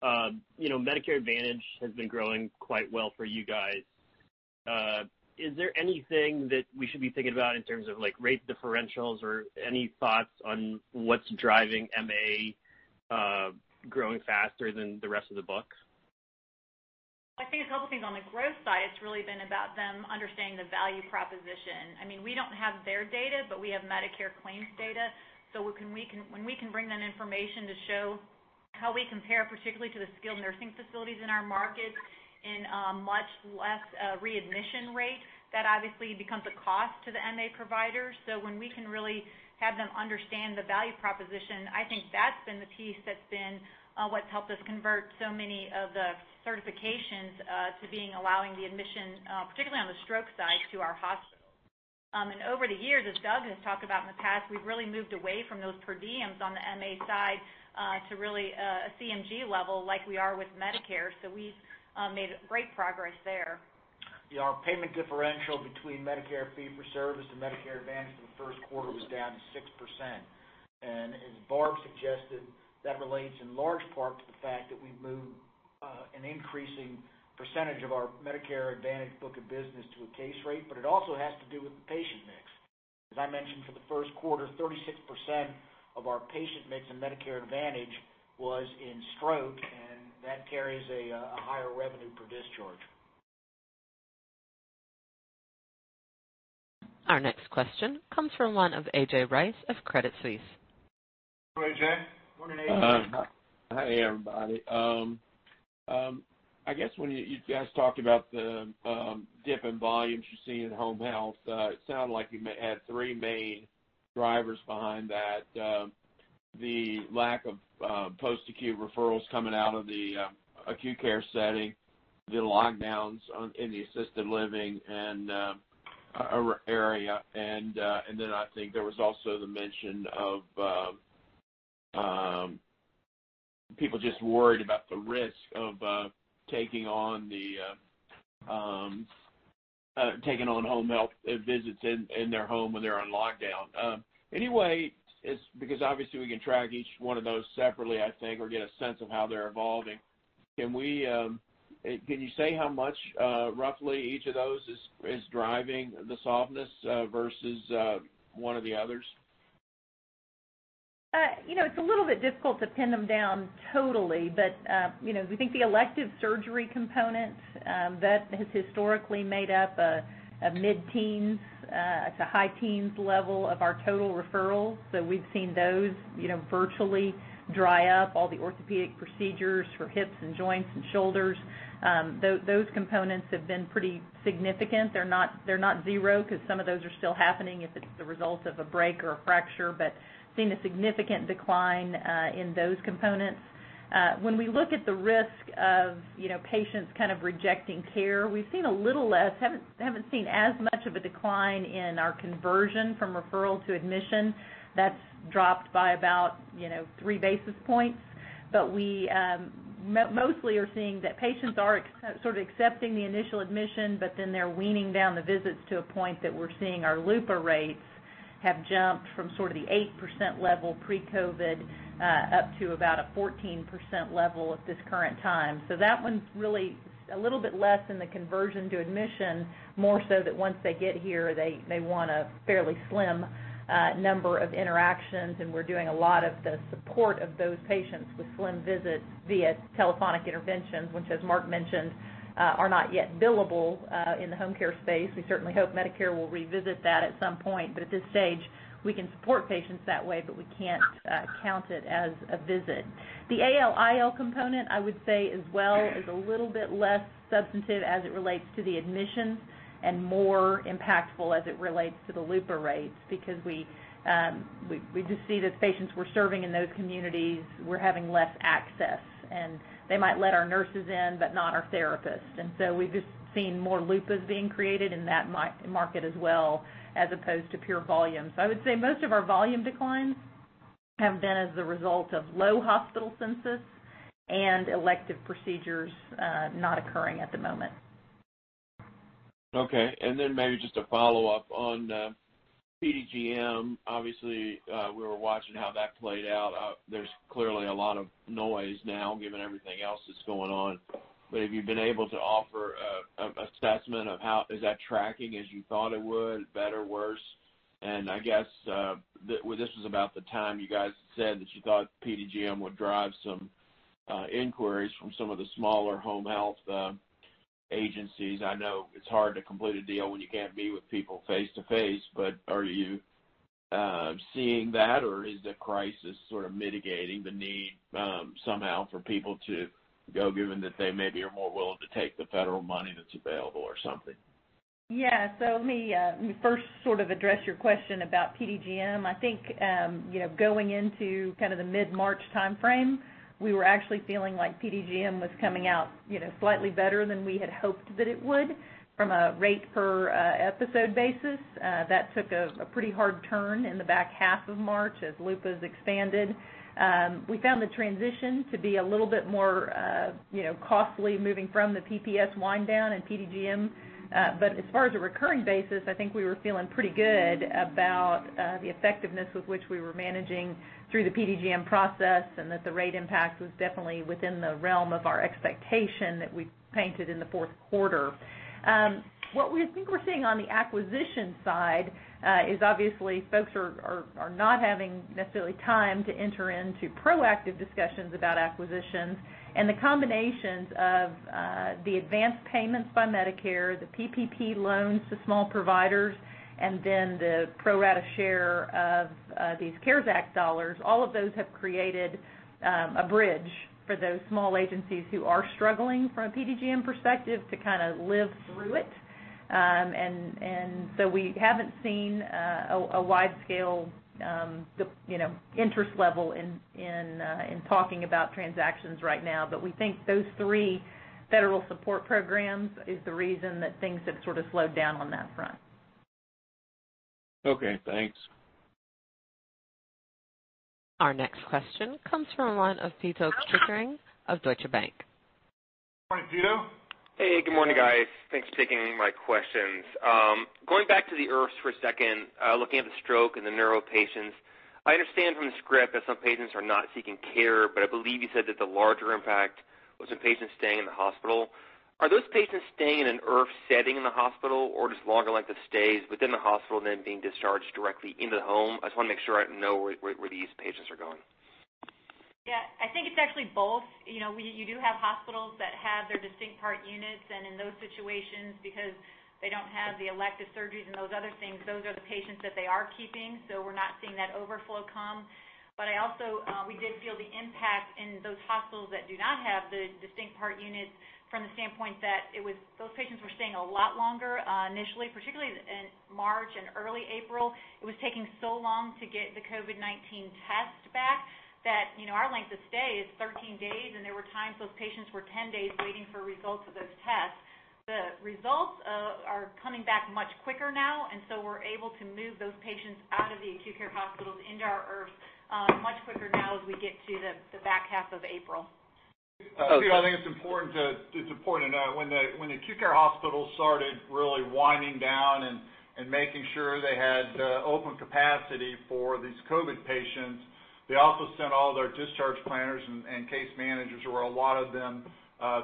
Medicare Advantage has been growing quite well for you guys. Is there anything that we should be thinking about in terms of rate differentials or any thoughts on what's driving MA growing faster than the rest of the book? I think a couple of things. On the growth side, it's really been about them understanding the value proposition. We don't have their data, but we have Medicare claims data. When we can bring that information to show how we compare, particularly to the skilled nursing facilities in our market in a much less readmission rate, that obviously becomes a cost to the MA provider. When we can really have them understand the value proposition, I think that's been the piece that's been what's helped us convert so many of the certifications to being allowing the admission, particularly on the stroke side, to our hospital. Over the years, as Doug has talked about in the past, we've really moved away from those per diems on the MA side to really a CMG level like we are with Medicare. We've made great progress there. Our payment differential between Medicare fee-for-service and Medicare Advantage for the first quarter was down 6%. As Barb suggested, that relates in large part to the fact that we've moved an increasing percentage of our Medicare Advantage book of business to a case rate, but it also has to do with the patient mix. As I mentioned, for the first quarter, 36% of our patient mix in Medicare Advantage was in stroke, and that carries a higher revenue per discharge. Our next question comes from A.J. Rice of Credit Suisse. Morning, A.J. Hi, everybody. I guess when you guys talked about the dip in volumes you see in home health, it sounded like you had three main drivers behind that. The lack of post-acute referrals coming out of the acute care setting, the lockdowns in the assisted living area, and then I think there was also the mention of people just worried about the risk of taking on home health visits in their home when they're on lockdown. Because obviously we can track each one of those separately, I think, or get a sense of how they're evolving. Can you say how much roughly each of those is driving the softness versus one of the others? It's a little bit difficult to pin them down totally. We think the elective surgery component, that has historically made up a mid-teens to high teens level of our total referrals. We've seen those virtually dry up, all the orthopedic procedures for hips and joints and shoulders. Those components have been pretty significant. They're not zero because some of those are still happening if it's the result of a break or a fracture. We've seen a significant decline in those components. When we look at the risk of patients kind of rejecting care, we've seen a little less. We haven't seen as much of a decline in our conversion from referral to admission. That's dropped by about three basis points. We mostly are seeing that patients are sort of accepting the initial admission, but then they're weaning down the visits to a point that we're seeing our LUPA rates have jumped from sort of the 8% level pre-COVID, up to about a 14% level at this current time. That one's really a little bit less in the conversion to admission, more so that once they get here, they want a fairly slim number of interactions, and we're doing a lot of the support of those patients with slim visits via telephonic interventions, which, as Mark mentioned, are not yet billable in the home care space. We certainly hope Medicare will revisit that at some point. At this stage, we can support patients that way, but we can't count it as a visit. The ALF/ILF component, I would say as well is a little bit less substantive as it relates to the admissions and more impactful as it relates to the LUPA rates. We just see that patients we're serving in those communities were having less access, and they might let our nurses in, but not our therapists. We've just seen more LUPAs being created in that market as well as opposed to pure volume. I would say most of our volume declines have been as a result of low hospital census and elective procedures not occurring at the moment. Okay. Maybe just a follow-up on PDGM, obviously, we were watching how that played out. There's clearly a lot of noise now, given everything else that's going on. Have you been able to offer an assessment of how Is that tracking as you thought it would, better, worse? I guess, this was about the time you guys said that you thought PDGM would drive some inquiries from some of the smaller home health agencies. I know it's hard to complete a deal when you can't meet with people face-to-face. Are you seeing that? Is the crisis sort of mitigating the need somehow for people to go, given that they maybe are more willing to take the federal money that's available or something? Yeah. Let me first sort of address your question about PDGM. I think, going into kind of the mid-March timeframe, we were actually feeling like PDGM was coming out slightly better than we had hoped that it would from a rate per episode basis. That took a pretty hard turn in the back half of March as LUPAs expanded. We found the transition to be a little bit more costly, moving from the PPS wind down and PDGM. As far as a recurring basis, I think we were feeling pretty good about the effectiveness with which we were managing through the PDGM process, and that the rate impact was definitely within the realm of our expectation that we painted in the fourth quarter. What we think we're seeing on the acquisition side, is obviously folks are not having necessarily time to enter into proactive discussions about acquisitions. The combinations of the advanced payments by Medicare, the PPP loans to small providers, and then the pro rata share of these CARES Act dollars, all of those have created a bridge for those small agencies who are struggling from a PDGM perspective to kind of live through it. We haven't seen a wide-scale interest level in talking about transactions right now. We think those three federal support programs is the reason that things have sort of slowed down on that front. Okay, thanks. Our next question comes from the line of Pito Chickering of Deutsche Bank. Morning, Pito. Hey, good morning, guys. Thanks for taking my questions. Going back to the IRFs for a second, looking at the stroke and the neuro patients, I understand from the script that some patients are not seeking care, I believe you said that the larger impact was the patients staying in the hospital. Are those patients staying in an IRF setting in the hospital, or just longer lengths of stays within the hospital and then being discharged directly into the home? I just want to make sure I know where these patients are going. Yeah. I think it's actually both. You do have hospitals that have their distinct part units, and in those situations, because they don't have the elective surgeries and those other things, those are the patients that they are keeping. We're not seeing that overflow come. We did feel the impact in those hospitals that do not have the distinct part units from the standpoint that those patients were staying a lot longer, initially. Particularly in March and early April, it was taking so long to get the COVID-19 tests back that, our length of stay is 13 days, and there were times those patients were 10 days waiting for results of those tests. The results are coming back much quicker now. We're able to move those patients out of the acute care hospitals into our IRFs much quicker now as we get to the back half of April. Okay. I think it's important to note, when the acute care hospitals started really winding down and making sure they had open capacity for these COVID patients, they also sent all their discharge planners and case managers, or a lot of them,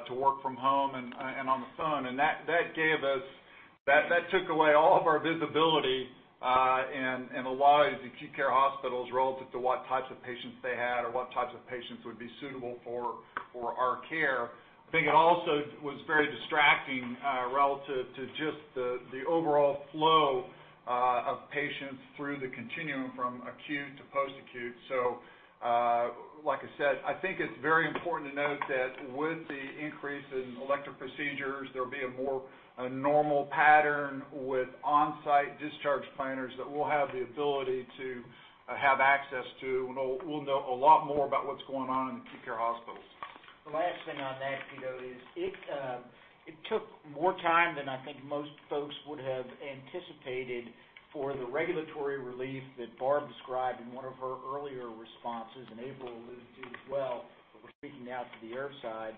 to work from home and on the phone. That took away all of our visibility in a lot of these acute care hospitals relative to what types of patients they had or what types of patients would be suitable for our care. I think it also was very distracting, relative to just the overall flow of patients through the continuum from acute to post-acute. Like I said, I think it's very important to note that with the increase in elective procedures, there'll be a more normal pattern with on-site discharge planners that we'll have the ability to have access to, and we'll know a lot more about what's going on in the acute care hospitals. The last thing on that, Pito, is it took more time than I think most folks would have anticipated for the regulatory relief that Barb described in one of her earlier responses, and April alluded to as well, but we're speaking now to the IRF side.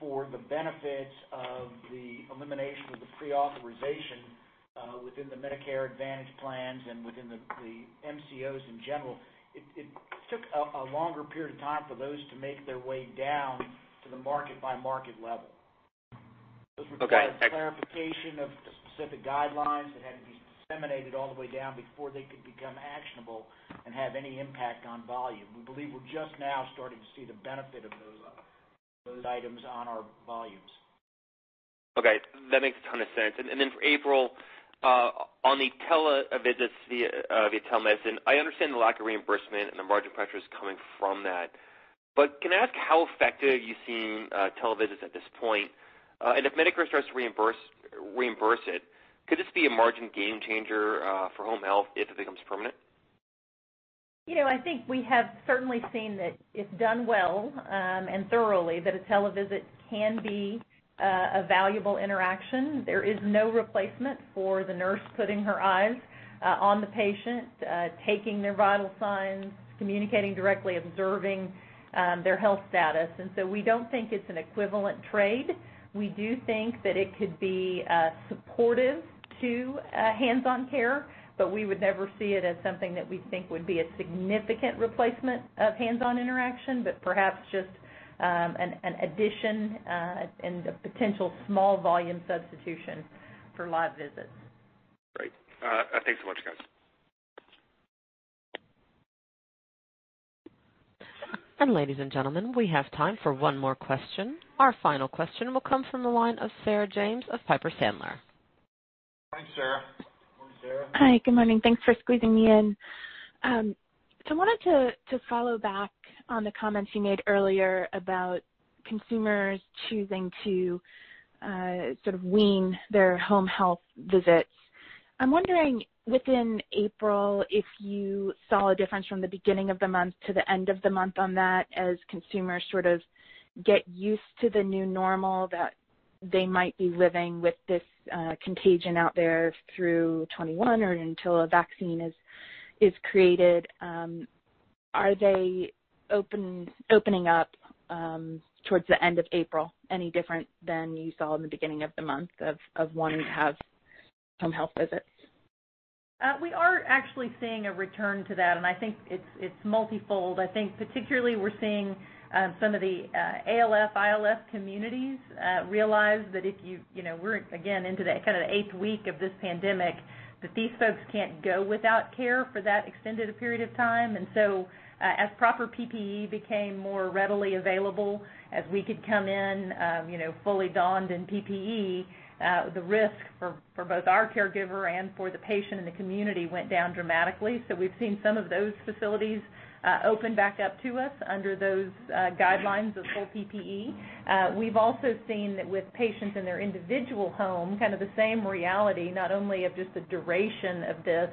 For the benefits of the elimination of the pre-authorization within the Medicare Advantage plans and within the MCOs in general, it took a longer period of time for those to make their way down to the market-by-market level. Okay. Those required clarification of the specific guidelines that had to be disseminated all the way down before they could become actionable and have any impact on volume. We believe we're just now starting to see the benefit of those items on our volumes. Okay. That makes a ton of sense. Then for April, on the televisits via telemedicine, I understand the lack of reimbursement and the margin pressures coming from that. Can I ask how effective you've seen televisits at this point? If Medicare starts to reimburse it, could this be a margin game changer for home health if it becomes permanent? I think we have certainly seen that if done well and thoroughly, that a tele-visit can be a valuable interaction. There is no replacement for the nurse putting her eyes on the patient, taking their vital signs, communicating directly, observing their health status. We don't think it's an equivalent trade. We do think that it could be supportive to hands-on care. We would never see it as something that we think would be a significant replacement of hands-on interaction, but perhaps just an addition, and a potential small volume substitution for live visits. Great. Thanks so much, guys. Ladies and gentlemen, we have time for one more question. Our final question will come from the line of Sarah James of Piper Sandler. Morning, Sarah. Hi. Good morning. Thanks for squeezing me in. I wanted to follow back on the comments you made earlier about consumers choosing to sort of wean their home health visits. I'm wondering, within April, if you saw a difference from the beginning of the month to the end of the month on that as consumers sort of get used to the new normal, that they might be living with this contagion out there through 2021 or until a vaccine is created. Are they opening up towards the end of April any different than you saw in the beginning of the month of wanting to have home health visits? We are actually seeing a return to that, and I think it's multifold. I think particularly we're seeing some of the ALF, ILF communities realize that we're again into the kind of the eighth week of this pandemic, that these folks can't go without care for that extended a period of time. As proper PPE became more readily available, as we could come in fully donned in PPE, the risk for both our caregiver and for the patient and the community went down dramatically. We've seen some of those facilities open back up to us under those guidelines of full PPE. We've also seen that with patients in their individual home, kind of the same reality, not only of just the duration of this,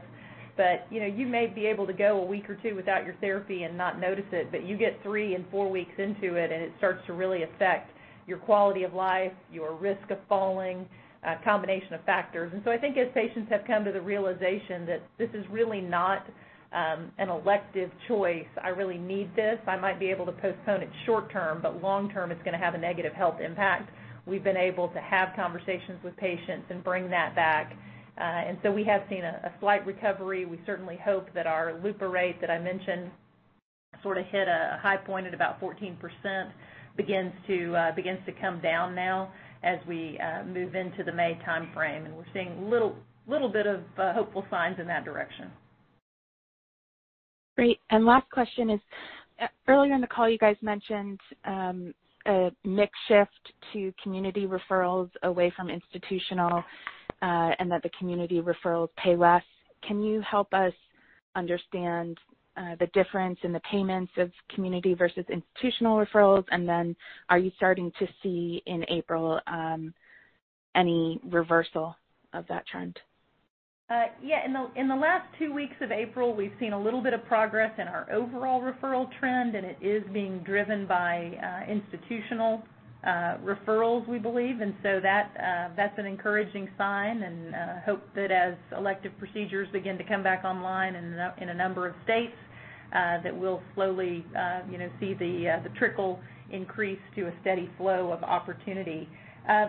but you may be able to go a week or two without your therapy and not notice it, but you get three and four weeks into it, and it starts to really affect your quality of life, your risk of falling, a combination of factors. I think as patients have come to the realization that this is really not an elective choice, I really need this. I might be able to postpone it short term, but long term it's going to have a negative health impact. We've been able to have conversations with patients and bring that back. We have seen a slight recovery. We certainly hope that our LUPA, that I mentioned sort of hit a high point at about 14%, begins to come down now as we move into the May timeframe. We're seeing little bit of hopeful signs in that direction. Great. Last question is, earlier in the call, you guys mentioned a mix shift to community referrals away from institutional, and that the community referrals pay less. Can you help us understand the difference in the payments of community versus institutional referrals? Are you starting to see in April, any reversal of that trend? In the last two weeks of April, we've seen a little bit of progress in our overall referral trend, it is being driven by institutional referrals, we believe. That's an encouraging sign, and hope that as elective procedures begin to come back online in a number of states, that we'll slowly see the trickle increase to a steady flow of opportunity.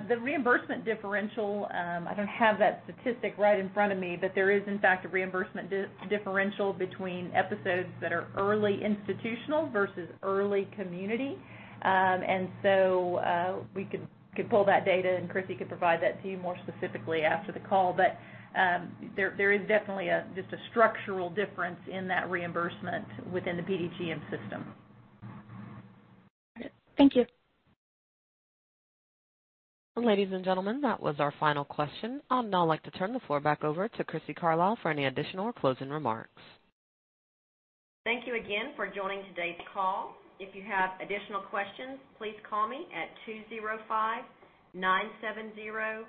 The reimbursement differential, I don't have that statistic right in front of me, there is in fact a reimbursement differential between episodes that are early institutional versus early community. We could pull that data, and Crissy could provide that to you more specifically after the call. There is definitely just a structural difference in that reimbursement within the PDGM system. Got it. Thank you. Ladies and gentlemen, that was our final question. I would now like to turn the floor back over to Crissy Carlisle for any additional closing remarks. Thank you again for joining today's call. If you have additional questions, please call me at 205-970-5860.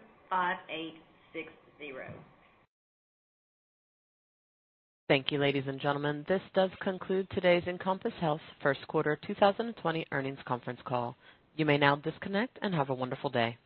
Thank you, ladies and gentlemen. This does conclude today's Encompass Health first quarter 2020 earnings conference call. You may now disconnect, and have a wonderful day.